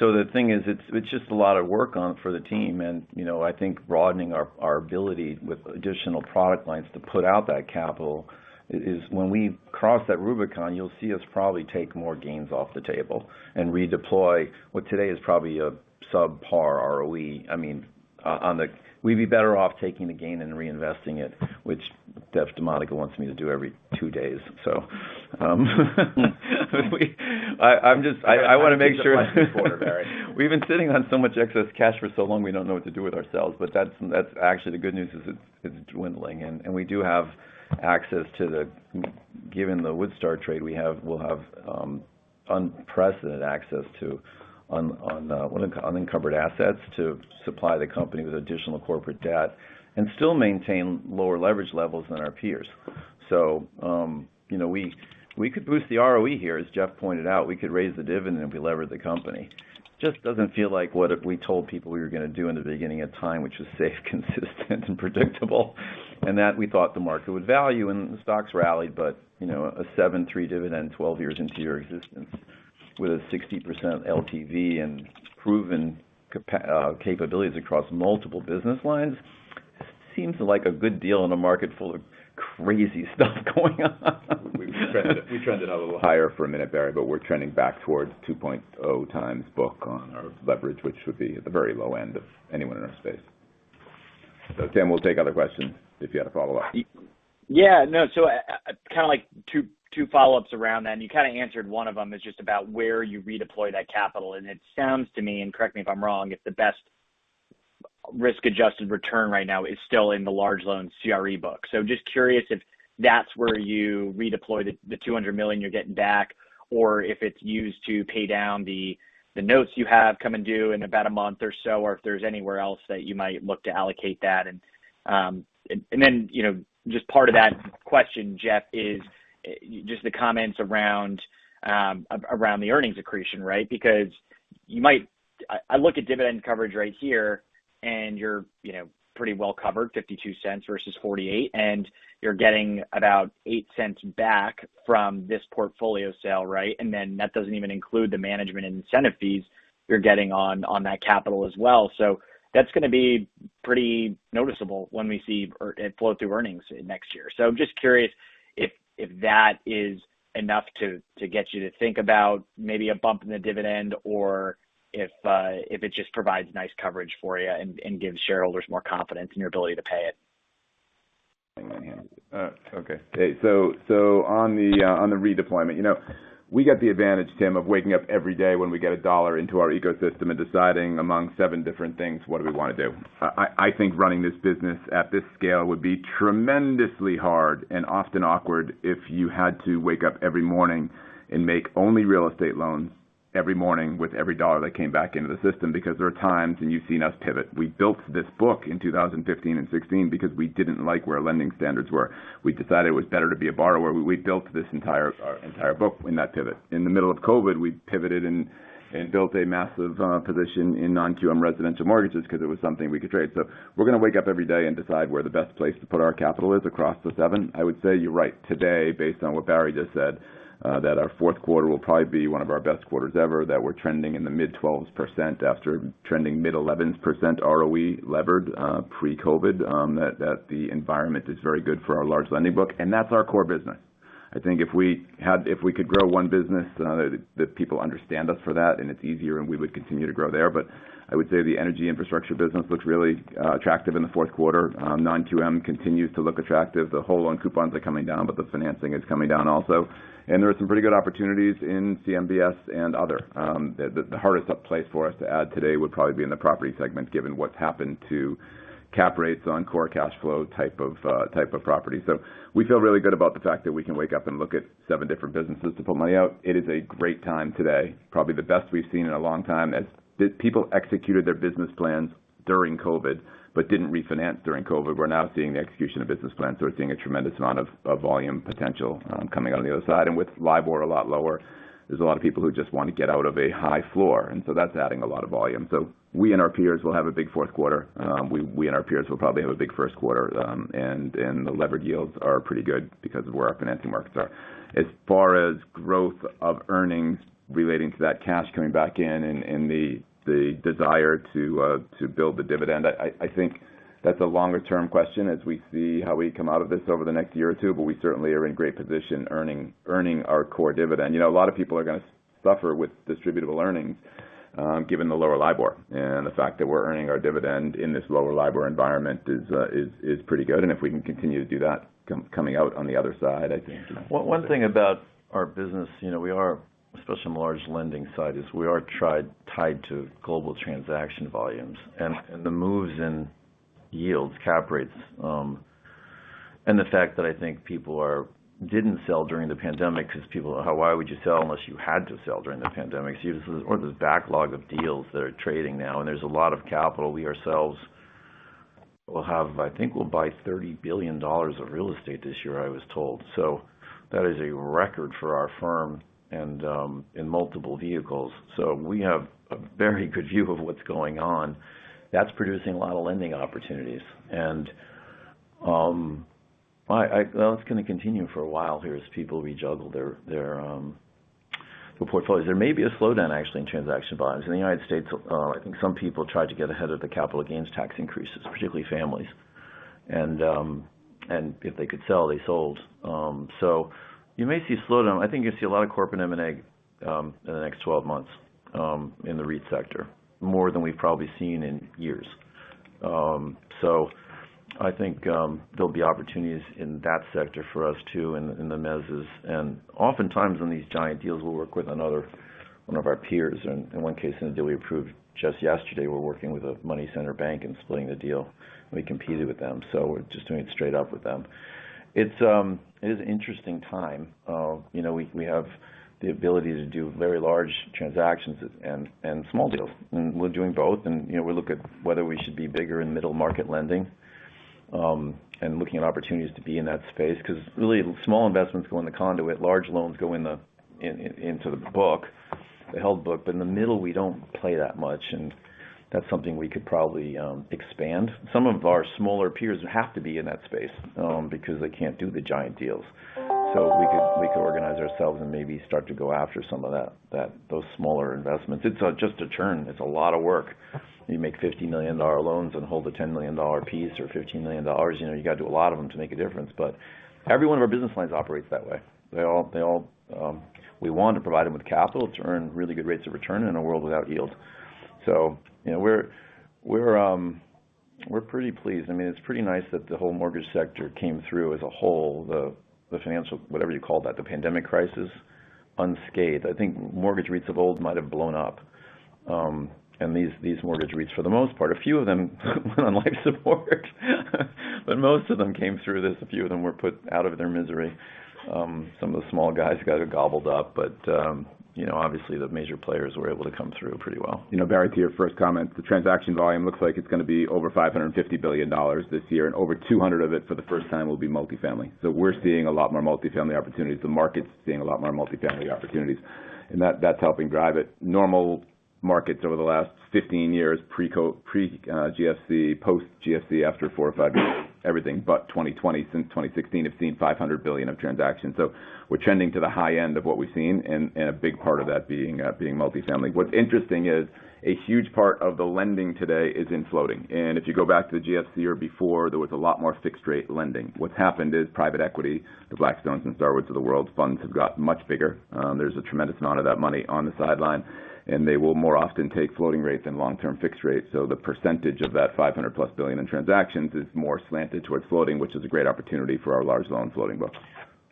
know, the thing is, it's just a lot of work for the team. You know, I think broadening our ability with additional product lines to put out that capital is when we cross that Rubicon. You'll see us probably take more gains off the table and redeploy what today is probably a subpar ROE. I mean, we'd be better off taking the gain and reinvesting it, which Jeff DiModica wants me to do every two days. So I wanna make sure- I've asked that question before, Barry. We've been sitting on so much excess cash for so long, we don't know what to do with ourselves. That's actually the good news. It's dwindling. Given the WoodStar trade we have, we'll have unprecedented access to unencumbered assets to supply the company with additional corporate debt and still maintain lower leverage levels than our peers. We could boost the ROE here, as Jeff pointed out. We could raise the dividend if we levered the company. It just doesn't feel like what we told people we were gonna do in the beginning of time, which was safe, consistent, and predictable, and that we thought the market would value, and the stocks rallied. You know, a 7.3% dividend 12 years into your existence with a 60% LTV and proven capabilities across multiple business lines seems like a good deal in a market full of crazy stuff going on. We trended a little higher for a minute, Barry, but we're trending back towards 2.0 times book on our leverage, which would be at the very low end of anyone in our space. Tim, we'll take other questions if you had a follow-up. Yeah, no. I kinda like two follow-ups around then. You kinda answered one of them. It's just about where you redeploy that capital. It sounds to me, and correct me if I'm wrong, if the best risk-adjusted return right now is still in the large loan CRE book. Just curious if that's where you redeploy the $200 million you're getting back, or if it's used to pay down the notes you have coming due in about a month or so, or if there's anywhere else that you might look to allocate that. You know, just part of that question, Jeff, is just the comments around the earnings accretion, right? Because you might... I look at dividend coverage right here, and you're, you know, pretty well covered, $0.52 versus $0.48, and you're getting about $0.08 back from this portfolio sale, right? And then that doesn't even include the management and incentive fees you're getting on that capital as well. That's gonna be pretty noticeable when we see it flow through earnings next year. I'm just curious if that is enough to get you to think about maybe a bump in the dividend or if it just provides nice coverage for you and gives shareholders more confidence in your ability to pay it. Okay, on the redeployment. You know, we get the advantage, Tim, of waking up every day when we get a dollar into our ecosystem and deciding among seven different things what do we wanna do. I think running this business at this scale would be tremendously hard and often awkward if you had to wake up every morning and make only real estate loans every morning with every dollar that came back into the system. Because there are times, and you've seen us pivot. We built this book in 2015 and 2016 because we didn't like where lending standards were. We decided it was better to be a borrower. We built this entire book in that pivot. In the middle of COVID, we pivoted and built a massive position in non-QM residential mortgages because it was something we could trade. We're gonna wake up every day and decide where the best place to put our capital is across the seven. I would say you're right today based on what Barry just said that our fourth quarter will probably be one of our best quarters ever, that we're trending in the mid-12% after trending mid-11% ROE levered pre-COVID, that the environment is very good for our large lending book, and that's our core business. I think if we could grow one business that people understand us for that and it's easier and we would continue to grow there. I would say the energy infrastructure business looks really attractive in the fourth quarter. Non-QM continues to look attractive. The whole loan coupons are coming down, but the financing is coming down also. There are some pretty good opportunities in CMBS and other. The hardest place for us to add today would probably be in the property segment, given what's happened to cap rates on core cash flow type of property. We feel really good about the fact that we can wake up and look at seven different businesses to put money out. It is a great time today, probably the best we've seen in a long time as the people executed their business plans during COVID, but didn't refinance during COVID. We're now seeing the execution of business plans, so we're seeing a tremendous amount of volume potential coming out of the other side. With LIBOR a lot lower, there's a lot of people who just want to get out of a high floor, and so that's adding a lot of volume. We and our peers will have a big fourth quarter. We and our peers will probably have a big first quarter. The levered yields are pretty good because of where our financing markets are. As far as growth of earnings relating to that cash coming back in and the desire to build the dividend, I think that's a longer term question as we see how we come out of this over the next year or two, but we certainly are in great position earning our core dividend. You know, a lot of people are gonna suffer with distributable earnings given the lower LIBOR. The fact that we're earning our dividend in this lower LIBOR environment is pretty good. If we can continue to do that coming out on the other side, I think- One thing about our business, you know, we are, especially on the large lending side, is we are tied to global transaction volumes and the moves in yields, cap rates, and the fact that I think people didn't sell during the pandemic because why would you sell unless you had to sell during the pandemic. You have all this backlog of deals that are trading now, and there's a lot of capital. We ourselves, I think we'll buy $30 billion of real estate this year, I was told. That is a record for our firm in multiple vehicles. We have a very good view of what's going on. That's producing a lot of lending opportunities. Well, it's gonna continue for a while here as people rejuggle their portfolios. There may be a slowdown actually in transaction volumes. In the United States, I think some people tried to get ahead of the capital gains tax increases, particularly families. If they could sell, they sold. You may see a slowdown. I think you'll see a lot of corporate M&A in the next 12 months in the REIT sector, more than we've probably seen in years. I think there'll be opportunities in that sector for us too, in the mezzies. Oftentimes, when these giant deals, we'll work with another one of our peers. In one case, in a deal we approved just yesterday, we're working with a money center bank and splitting the deal. We competed with them, so we're just doing it straight up with them. It's an interesting time, you know, we have the ability to do very large transactions and small deals, and we're doing both. You know, we look at whether we should be bigger in middle market lending, looking at opportunities to be in that space. Because really small investments go in the conduit, large loans go into the book, the held book. In the middle, we don't play that much, and that's something we could probably expand. Some of our smaller peers have to be in that space because they can't do the giant deals. We could organize ourselves and maybe start to go after some of those smaller investments. It's just a churn. It's a lot of work. You make $50 million loans and hold a $10 million piece or $15 million. You know, you gotta do a lot of them to make a difference. Every one of our business lines operates that way. They all. We want to provide them with capital to earn really good rates of return in a world without yield. You know, we're pretty pleased. I mean, it's pretty nice that the whole mortgage sector came through as a whole, the financial, whatever you call that, the pandemic crisis, unscathed. I think mortgage REITs of old might have blown up, and these mortgage REITs for the most part. A few of them went on life support, but most of them came through this. A few of them were put out of their misery. Some of the small guys got gobbled up, but you know, obviously the major players were able to come through pretty well. You know, Barry, to your first comment, the transaction volume looks like it's gonna be over $550 billion this year, and over $200 of it for the first time will be multifamily. We're seeing a lot more multifamily opportunities. The market's seeing a lot more multifamily opportunities, and that's helping drive it. Normal markets over the last 15 years, pre-GFC, post GFC, after four or five years, everything but 2020. Since 2016 have seen $500 billion of transactions. We're trending to the high end of what we've seen and a big part of that being multifamily. What's interesting is a huge part of the lending today is in floating, and if you go back to the GFC or before, there was a lot more fixed rate lending. What's happened is private equity, the Blackstones and Starwoods of the world's funds have gotten much bigger. There's a tremendous amount of that money on the sideline, and they will more often take floating rates than long-term fixed rates. The percentage of that $500+ billion in transactions is more slanted towards floating, which is a great opportunity for our large loan floating book.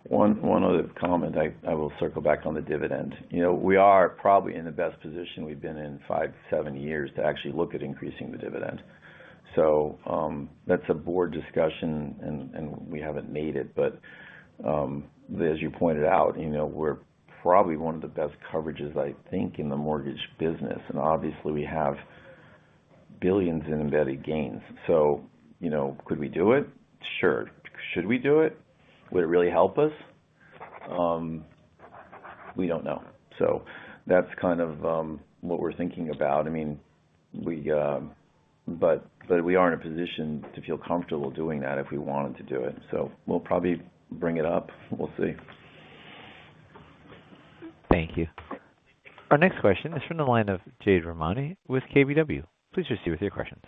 One other comment. I will circle back on the dividend. You know, we are probably in the best position we've been in five to seven years to actually look at increasing the dividend. That's a board discussion and we haven't made it. As you pointed out, you know, we're probably one of the best coverages, I think, in the mortgage business, and obviously we have billions in embedded gains. You know, could we do it? Sure. Should we do it? Would it really help us? We don't know. That's kind of what we're thinking about. I mean, we are in a position to feel comfortable doing that if we wanted to do it. We'll probably bring it up. We'll see. Thank you. Our next question is from the line of Jade Rahmani with KBW. Please proceed with your questions.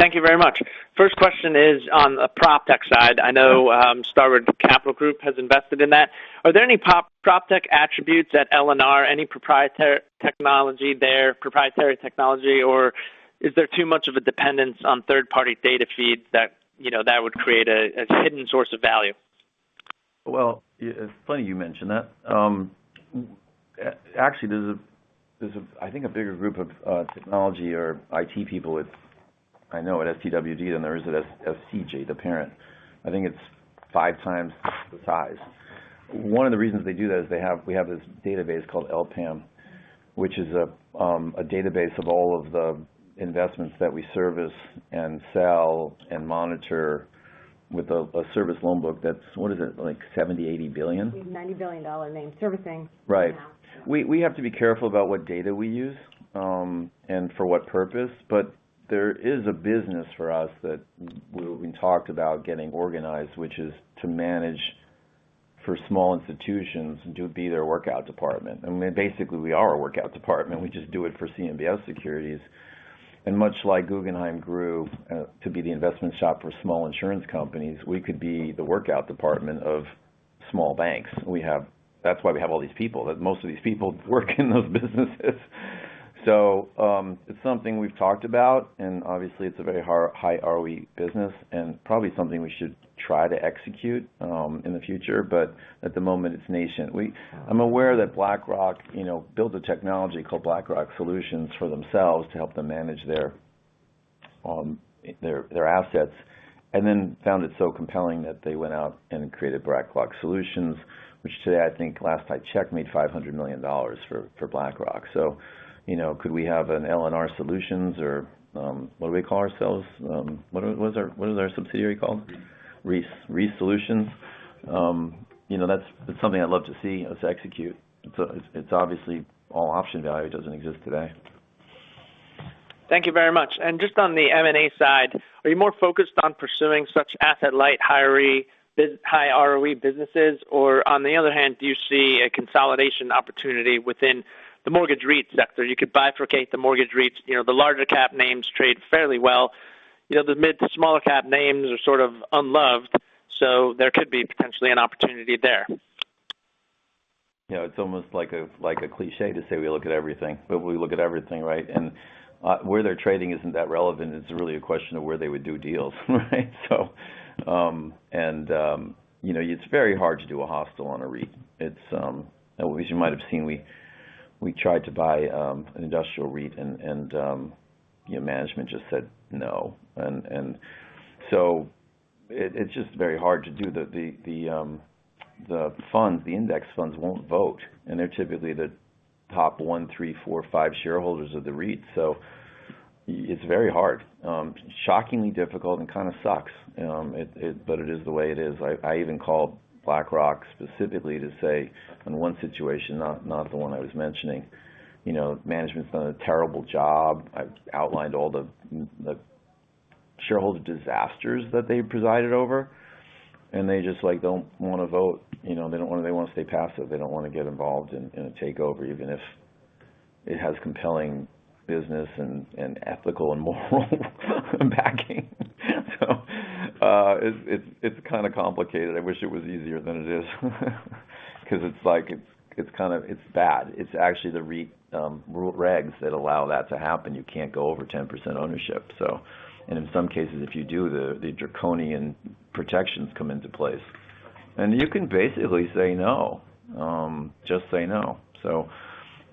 Thank you very much. First question is on the PropTech side. I know Starwood Capital Group has invested in that. Are there any PropTech attributes at LNR, any proprietary technology there, or is there too much of a dependence on third-party data feeds that you know that would create a hidden source of value? Well, it's funny you mention that. Actually, there's a bigger group of technology or IT people at STWD than there is at SCG, the parent. I think it's 5 times the size. One of the reasons they do that is we have this database called LPAM, which is a database of all of the investments that we service and sell and monitor with a service loan book that's what is it? Like $70 billion, $80 billion. We have $90 billion named servicing now. Right. We have to be careful about what data we use and for what purpose. There is a business for us that we talked about getting organized, which is to manage for small institutions and to be their workout department. I mean, basically, we are a workout department. We just do it for CMBS securities. Much like Guggenheim grew to be the investment shop for small insurance companies, we could be the workout department of small banks. We have all these people. That's why we have all these people. Most of these people work in those businesses. It's something we've talked about, and obviously it's a very high ROE business and probably something we should try to execute in the future. At the moment, it's nascent. I'm aware that BlackRock, you know, built a technology called BlackRock Solutions for themselves to help them manage their assets. Then found it so compelling that they went out and created BlackRock Solutions, which today, I think last I checked, made $500 million for BlackRock. You know, could we have an LNR Solutions or what do we call ourselves? What is our subsidiary called? REIS. REIS Solutions. You know, that's something I'd love to see us execute. It's obviously all option value. It doesn't exist today. Thank you very much. Just on the M&A side, are you more focused on pursuing such asset light, higher EBITDA, high ROE businesses? Or on the other hand, do you see a consolidation opportunity within the mortgage REIT sector? You could bifurcate the mortgage REITs. You know, the larger cap names trade fairly well. You know, the mid, the smaller cap names are sort of unloved, so there could be potentially an opportunity there. You know, it's almost like a cliché to say we look at everything, but we look at everything, right? Where they're trading isn't that relevant. It's really a question of where they would do deals, right? You know, it's very hard to do a hostile on a REIT. As you might have seen, we tried to buy an industrial REIT and, you know, management just said, no. It's just very hard to do the The funds, the index funds won't vote, and they're typically the top one, three, four, five shareholders of the REIT. It's very hard. Shockingly difficult and kind of sucks. It is the way it is. I even called BlackRock specifically to say in one situation, not the one I was mentioning, you know, management's done a terrible job. I've outlined all the the shareholder disasters that they presided over, and they just, like, don't wanna vote. You know, they wanna stay passive. They don't wanna get involved in a takeover, even if it has compelling business and ethical and moral backing. It's kind of complicated. I wish it was easier than it is. 'Cause it's like, it's kind of bad. It's actually the rules and regs that allow that to happen. You can't go over 10% ownership. In some cases, if you do, the draconian protections come into place. You can basically say no. Just say no.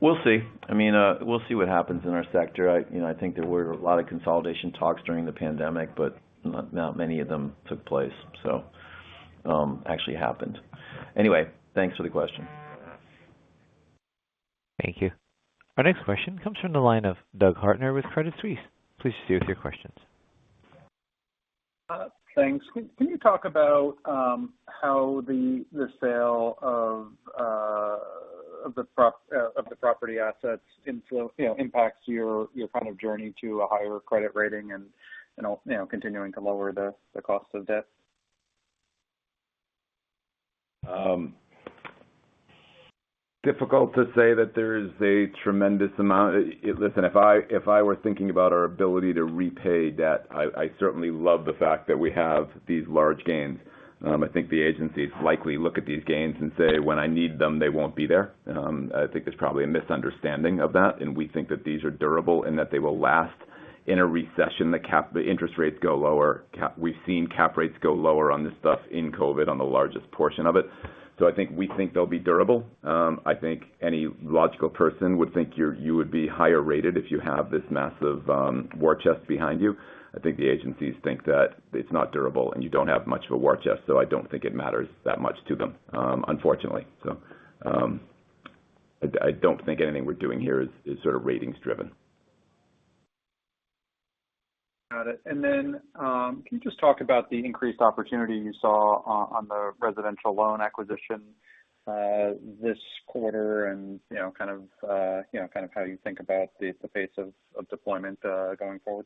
We'll see. I mean, we'll see what happens in our sector. You know, I think there were a lot of consolidation talks during the pandemic, but not many of them took place, so actually happened. Anyway, thanks for the question. Thank you. Our next question comes from the line of Doug Harter with Credit Suisse. Please proceed with your questions. Thanks. Can you talk about how the sale of the property assets, you know, impacts your kind of journey to a higher credit rating and, you know, continuing to lower the cost of debt? Difficult to say that there is a tremendous amount. Listen, if I were thinking about our ability to repay debt, I certainly love the fact that we have these large gains. I think the agencies likely look at these gains and say, "When I need them, they won't be there." I think there's probably a misunderstanding of that, and we think that these are durable and that they will last. In a recession, the interest rates go lower. We've seen cap rates go lower on this stuff in COVID on the largest portion of it. I think we think they'll be durable. I think any logical person would think you would be higher rated if you have this massive war chest behind you. I think the agencies think that it's not durable, and you don't have much of a war chest. I don't think it matters that much to them, unfortunately. I don't think anything we're doing here is sort of ratings driven. Got it. Can you just talk about the increased opportunity you saw on the residential loan acquisition this quarter and, you know, kind of how you think about the pace of deployment going forward?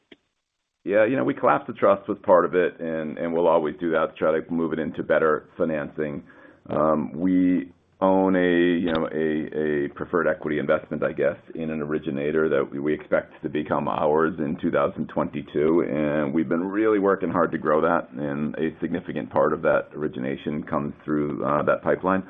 Yeah. You know, we collapsed the trust with part of it, and we'll always do that to try to move it into better financing. We own a, you know, preferred equity investment, I guess, in an originator that we expect to become ours in 2022, and we've been really working hard to grow that. A significant part of that origination comes through that pipeline.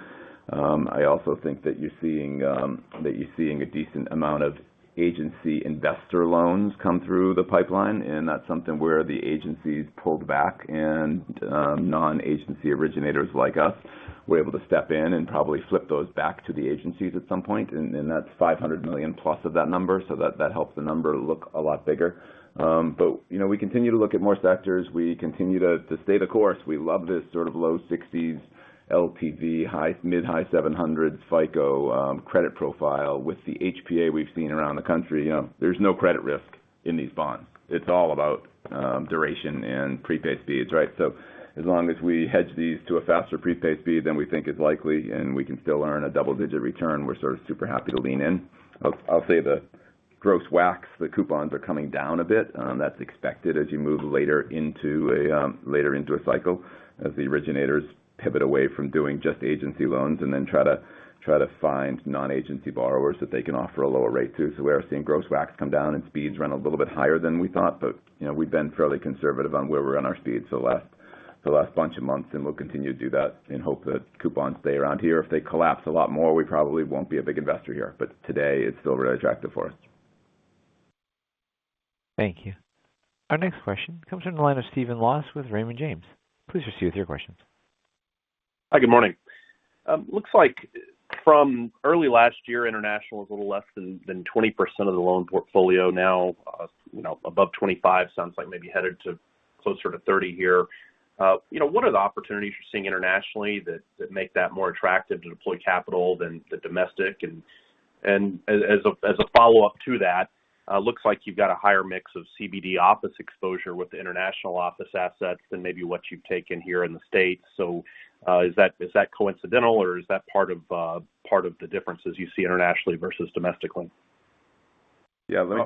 I also think that you're seeing a decent amount of agency investor loans come through the pipeline, and that's something where the agencies pull back and non-agency originators like us, we're able to step in and probably flip those back to the agencies at some point. That's $500 million+ of that number, so that helps the number look a lot bigger. You know, we continue to look at more sectors. We continue to stay the course. We love this sort of low 60s% LTV, high, mid-high 700 FICO, credit profile. With the HPA we've seen around the country, you know, there's no credit risk in these bonds. It's all about duration and prepaid speeds, right? As long as we hedge these to a faster prepaid speed than we think is likely and we can still earn a double-digit return, we're sort of super happy to lean in. I'll say the gross WACs, the coupons are coming down a bit. That's expected as you move later into a cycle, as the originators pivot away from doing just agency loans and then try to find non-agency borrowers that they can offer a lower rate to. We are seeing gross WACs come down and speeds run a little bit higher than we thought. You know, we've been fairly conservative on where we're in our speeds the last bunch of months, and we'll continue to do that and hope that coupons stay around here. If they collapse a lot more, we probably won't be a big investor here. Today, it's still really attractive for us. Thank you. Our next question comes from the line of Stephen Laws with Raymond James. Please proceed with your questions. Hi, good morning. Looks like from early last year, international was a little less than 20% of the loan portfolio. Now, you know, above 25%. Sounds like maybe headed to closer to 30% here. You know, what are the opportunities you're seeing internationally that make that more attractive to deploy capital than the domestic? As a follow-up to that, looks like you've got a higher mix of CBD office exposure with the international office assets than maybe what you've taken here in the States. Is that coincidental, or is that part of the differences you see internationally versus domestically? Yeah. I'll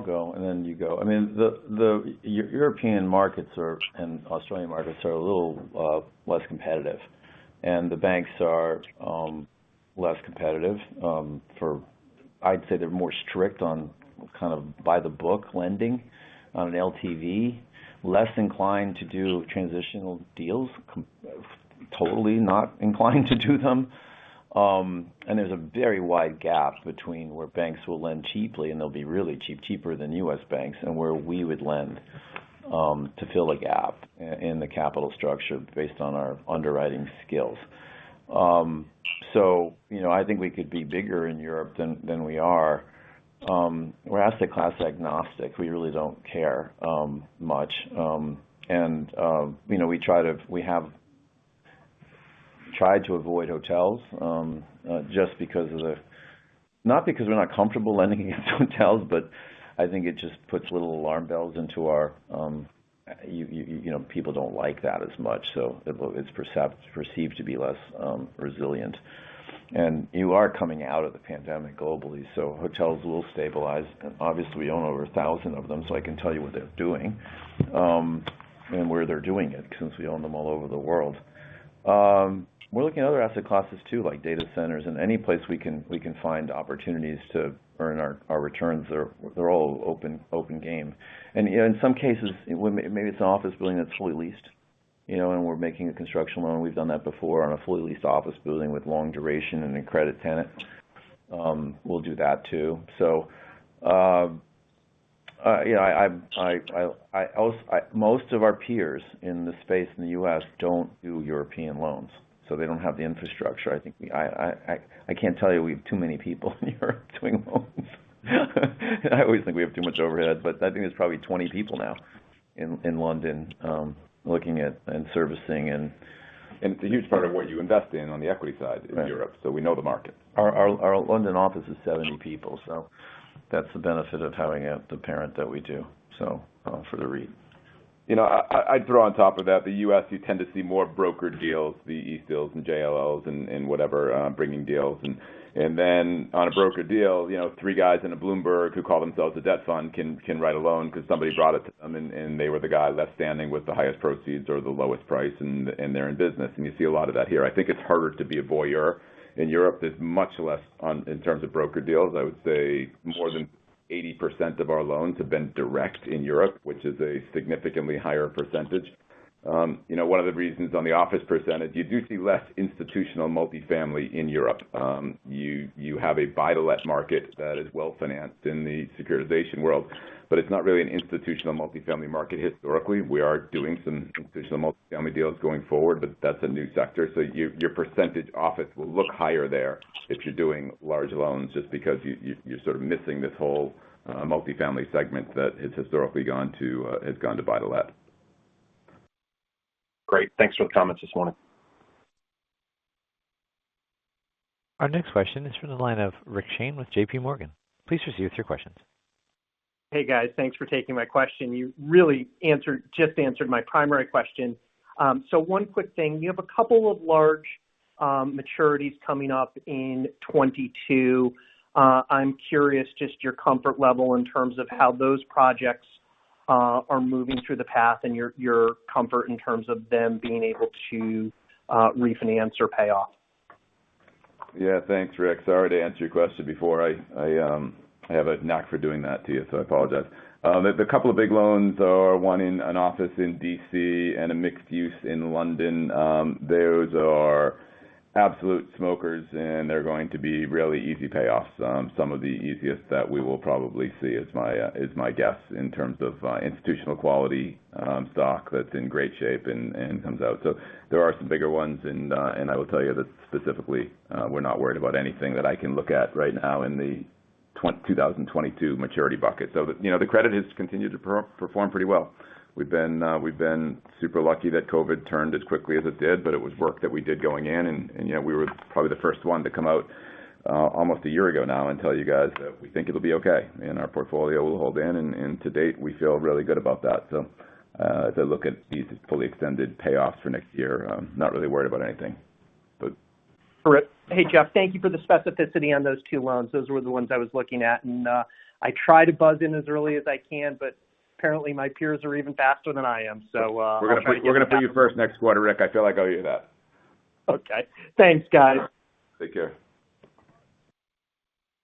go, and then you go. I mean, the European markets and Australian markets are a little less competitive, and the banks are less competitive. I'd say they're more strict on kind of by-the-book lending on an LTV. Less inclined to do transitional deals. Totally not inclined to do them. There's a very wide gap between where banks will lend cheaply, and they'll be really cheap, cheaper than U.S. banks, and where we would lend to fill a gap in the capital structure based on our underwriting skills. You know, I think we could be bigger in Europe than we are. We're asset class agnostic. We really don't care much. You know, we have tried to avoid hotels just because, not because we're not comfortable lending against hotels, but I think it just puts little alarm bells into our you know people don't like that as much, so it's perceived to be less resilient. You are coming out of the pandemic globally, so hotels will stabilize. Obviously, we own over 1,000 of them, so I can tell you what they're doing and where they're doing it since we own them all over the world. We're looking at other asset classes too, like data centers and any place we can find opportunities to earn our returns. They're all open game. In some cases, maybe it's an office building that's fully leased, you know, and we're making a construction loan. We've done that before on a fully leased office building with long duration and a credit tenant. We'll do that too. Most of our peers in the space in the U.S. don't do European loans, so they don't have the infrastructure. I think I can't tell you we have too many people in Europe doing loans. I always think we have too much overhead, but I think there's probably 20 people now in London looking at and servicing. It's a huge part of what you invest in on the equity side in Europe, so we know the market. Our London office is 70 people, so that's the benefit of having the parent that we do, so for the REIT. You know, I draw on top of that. The U.S., you tend to see more brokered deals, Eastdil and JLLs and whatever bringing deals. Then on a broker deal, you know, three guys in a Bloomberg who call themselves a debt fund can write a loan because somebody brought it to them and they were the guy left standing with the highest proceeds or the lowest price and they're in business. You see a lot of that here. I think it's harder to be a voyeur. In Europe, there's much less on, in terms of broker deals. I would say more than 80% of our loans have been direct in Europe, which is a significantly higher percentage. You know, one of the reasons on the office percentage, you do see less institutional multifamily in Europe. You have a buy-to-let market that is well-financed in the securitization world, but it's not really an institutional multifamily market historically. We are doing some institutional multifamily deals going forward, but that's a new sector. Your office percentage will look higher there if you're doing large loans just because you're sort of missing this whole multifamily segment that has historically gone to buy-to-let. Great. Thanks for the comments this morning. Our next question is from the line of Rick Shane with JPMorgan. Please proceed with your questions. Hey, guys. Thanks for taking my question. You really just answered my primary question. One quick thing. You have a couple of large maturities coming up in 2022. I'm curious just your comfort level in terms of how those projects are moving through the path and your comfort in terms of them being able to refinance or pay off. Yeah. Thanks, Rick. Sorry to answer your question before. I have a knack for doing that to you, so I apologize. The couple of big loans are one in an office in D.C. and a mixed use in London. Those are absolute smokers, and they're going to be really easy payoffs. Some of the easiest that we will probably see is my guess in terms of institutional quality stock that's in great shape and comes out. There are some bigger ones, and I will tell you that specifically, we're not worried about anything that I can look at right now in the 2022 maturity bucket. You know, the credit has continued to perform pretty well. We've been super lucky that COVID turned as quickly as it did, but it was work that we did going in. You know, we were probably the first one to come out almost a year ago now and tell you guys that we think it'll be okay and our portfolio will hold in. To date, we feel really good about that. As I look at these fully extended payoffs for next year, I'm not really worried about anything. Great. Hey, Jeff. Thank you for the specificity on those two loans. Those were the ones I was looking at, and I try to buzz in as early as I can, but apparently my peers are even faster than I am. We're gonna put you first next quarter, Rick. I feel like I owe you that. Okay. Thanks, guys. Take care.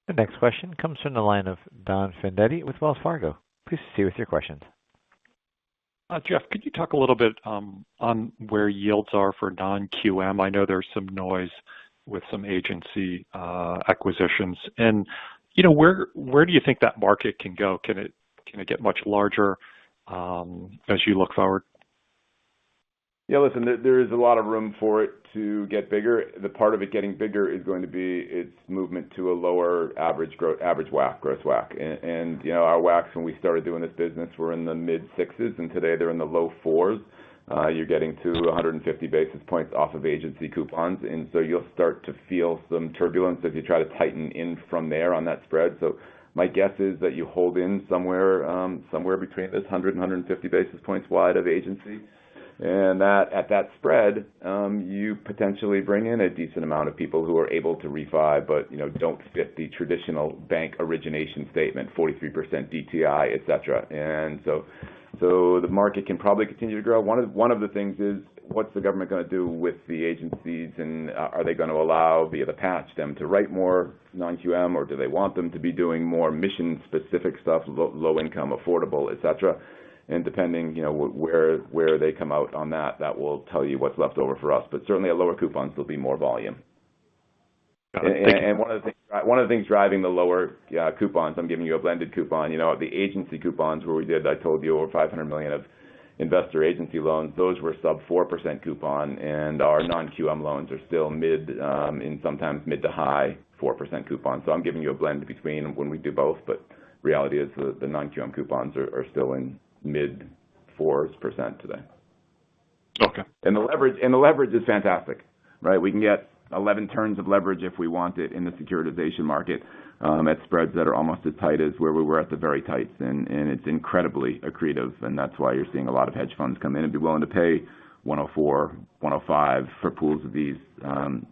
The next question comes from the line of Don Fandetti with Wells Fargo. Please proceed with your questions. Jeff, could you talk a little bit on where yields are for non-QM? I know there's some noise with some agency acquisitions. You know, where do you think that market can go? Can it get much larger as you look forward? Yeah, listen, there is a lot of room for it to get bigger. The part of it getting bigger is going to be its movement to a lower average WAC, gross WAC. You know, our WACs when we started doing this business were in the mid-6s%, and today they're in the low-4s%. You're getting 250 basis points off of agency coupons, and so you'll start to feel some turbulence if you try to tighten in from there on that spread. My guess is that you hold in somewhere between 100 basis points and 150 basis points wide of agency. And that, at that spread, you potentially bring in a decent amount of people who are able to refi, but, you know, don't fit the traditional bank origination statement, 43% DTI, et cetera. The market can probably continue to grow. One of the things is, what's the government gonna do with the agencies, and are they gonna allow, via the patch, them to write more non-QM or do they want them to be doing more mission-specific stuff, low income, affordable, et cetera? Depending, you know, where they come out on that will tell you what's left over for us. Certainly at lower coupons, there'll be more volume. One of the things driving the lower coupons, I'm giving you a blended coupon. You know, the agency coupons where we did, I told you, over $500 million of investor agency loans, those were sub-4% coupon. Our non-QM loans are still mid and sometimes mid- to high-4% coupon. I'm giving you a blend between when we do both. Reality is the non-QM coupons are still in mid-4s% today. Okay. The leverage is fantastic, right? We can get 11 turns of leverage if we want it in the securitization market, at spreads that are almost as tight as where we were at the very tightest. It's incredibly accretive, and that's why you're seeing a lot of hedge funds come in and be willing to pay $104 million, $105 million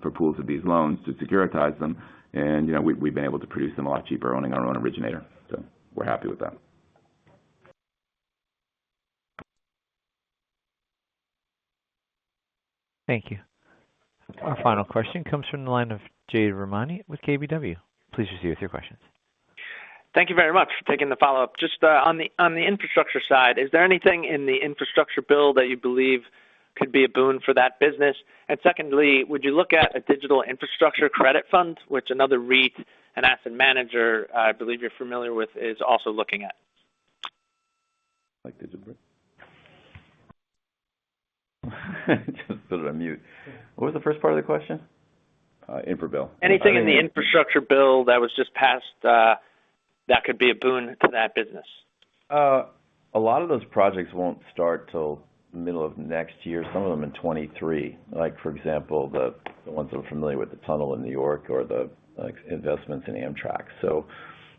for pools of these loans to securitize them. You know, we've been able to produce them a lot cheaper owning our own originator. We're happy with that. Thank you. Our final question comes from the line of Jade Rahmani with KBW. Please proceed with your questions. Thank you very much for taking the follow-up. Just on the infrastructure side, is there anything in the infrastructure bill that you believe could be a boon for that business? Secondly, would you look at a digital infrastructure credit fund, which another REIT, an asset manager, I believe you're familiar with, is also looking at? Like DigitalBridge? Just put it on mute. What was the first part of the question? Infra bill. Anything in the infrastructure bill that was just passed that could be a boon to that business? A lot of those projects won't start till middle of next year, some of them in 2023. Like, for example, the ones that are familiar with the tunnel in New York or the, like, investments in Amtrak.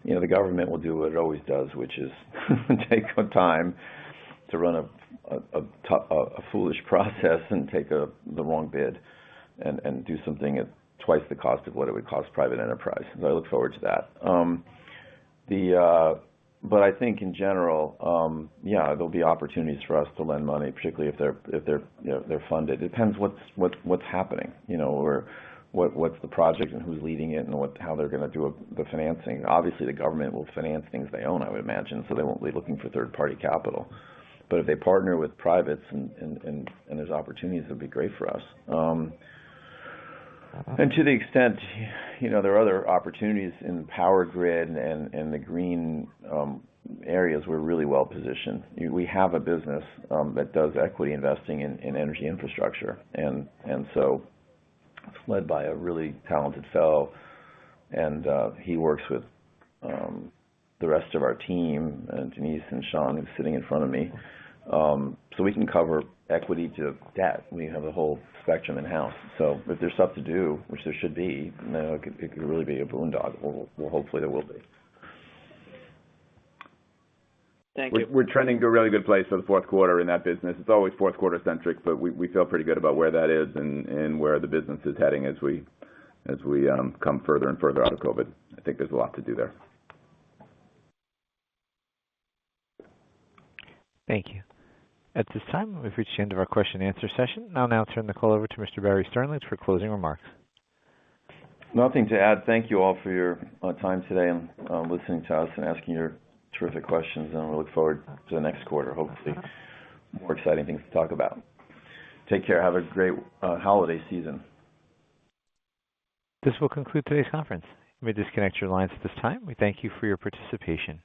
You know, the government will do what it always does, which is take their time to run a foolish process and take the wrong bid and do something at twice the cost of what it would cost private enterprise. I look forward to that. I think in general, yeah, there'll be opportunities for us to lend money, particularly if they're funded. Depends on what's happening, you know, or what's the project and who's leading it and how they're gonna do the financing. Obviously, the government will finance things they own, I would imagine, so they won't be looking for third-party capital. If they partner with privates and there's opportunities, it'll be great for us. To the extent, you know, there are other opportunities in power grid and the green areas, we're really well positioned. We have a business that does equity investing in energy infrastructure. So it's led by a really talented fellow, and he works with the rest of our team, Denise and Sean, who's sitting in front of me. We can cover equity to debt. We have the whole spectrum in-house. If there's stuff to do, which there should be, you know, it could really be a boondoggle, or hopefully there will be. Thank you. We're trending to a really good place for the fourth quarter in that business. It's always fourth quarter centric, but we feel pretty good about where that is and where the business is heading as we come further and further out of COVID. I think there's a lot to do there. Thank you. At this time, we've reached the end of our question and answer session. I'll now turn the call over to Mr. Barry Sternlicht for closing remarks. Nothing to add. Thank you all for your time today and listening to us and asking your terrific questions, and we look forward to the next quarter. Hopefully, more exciting things to talk about. Take care. Have a great holiday season. This will conclude today's conference. You may disconnect your lines at this time. We thank you for your participation.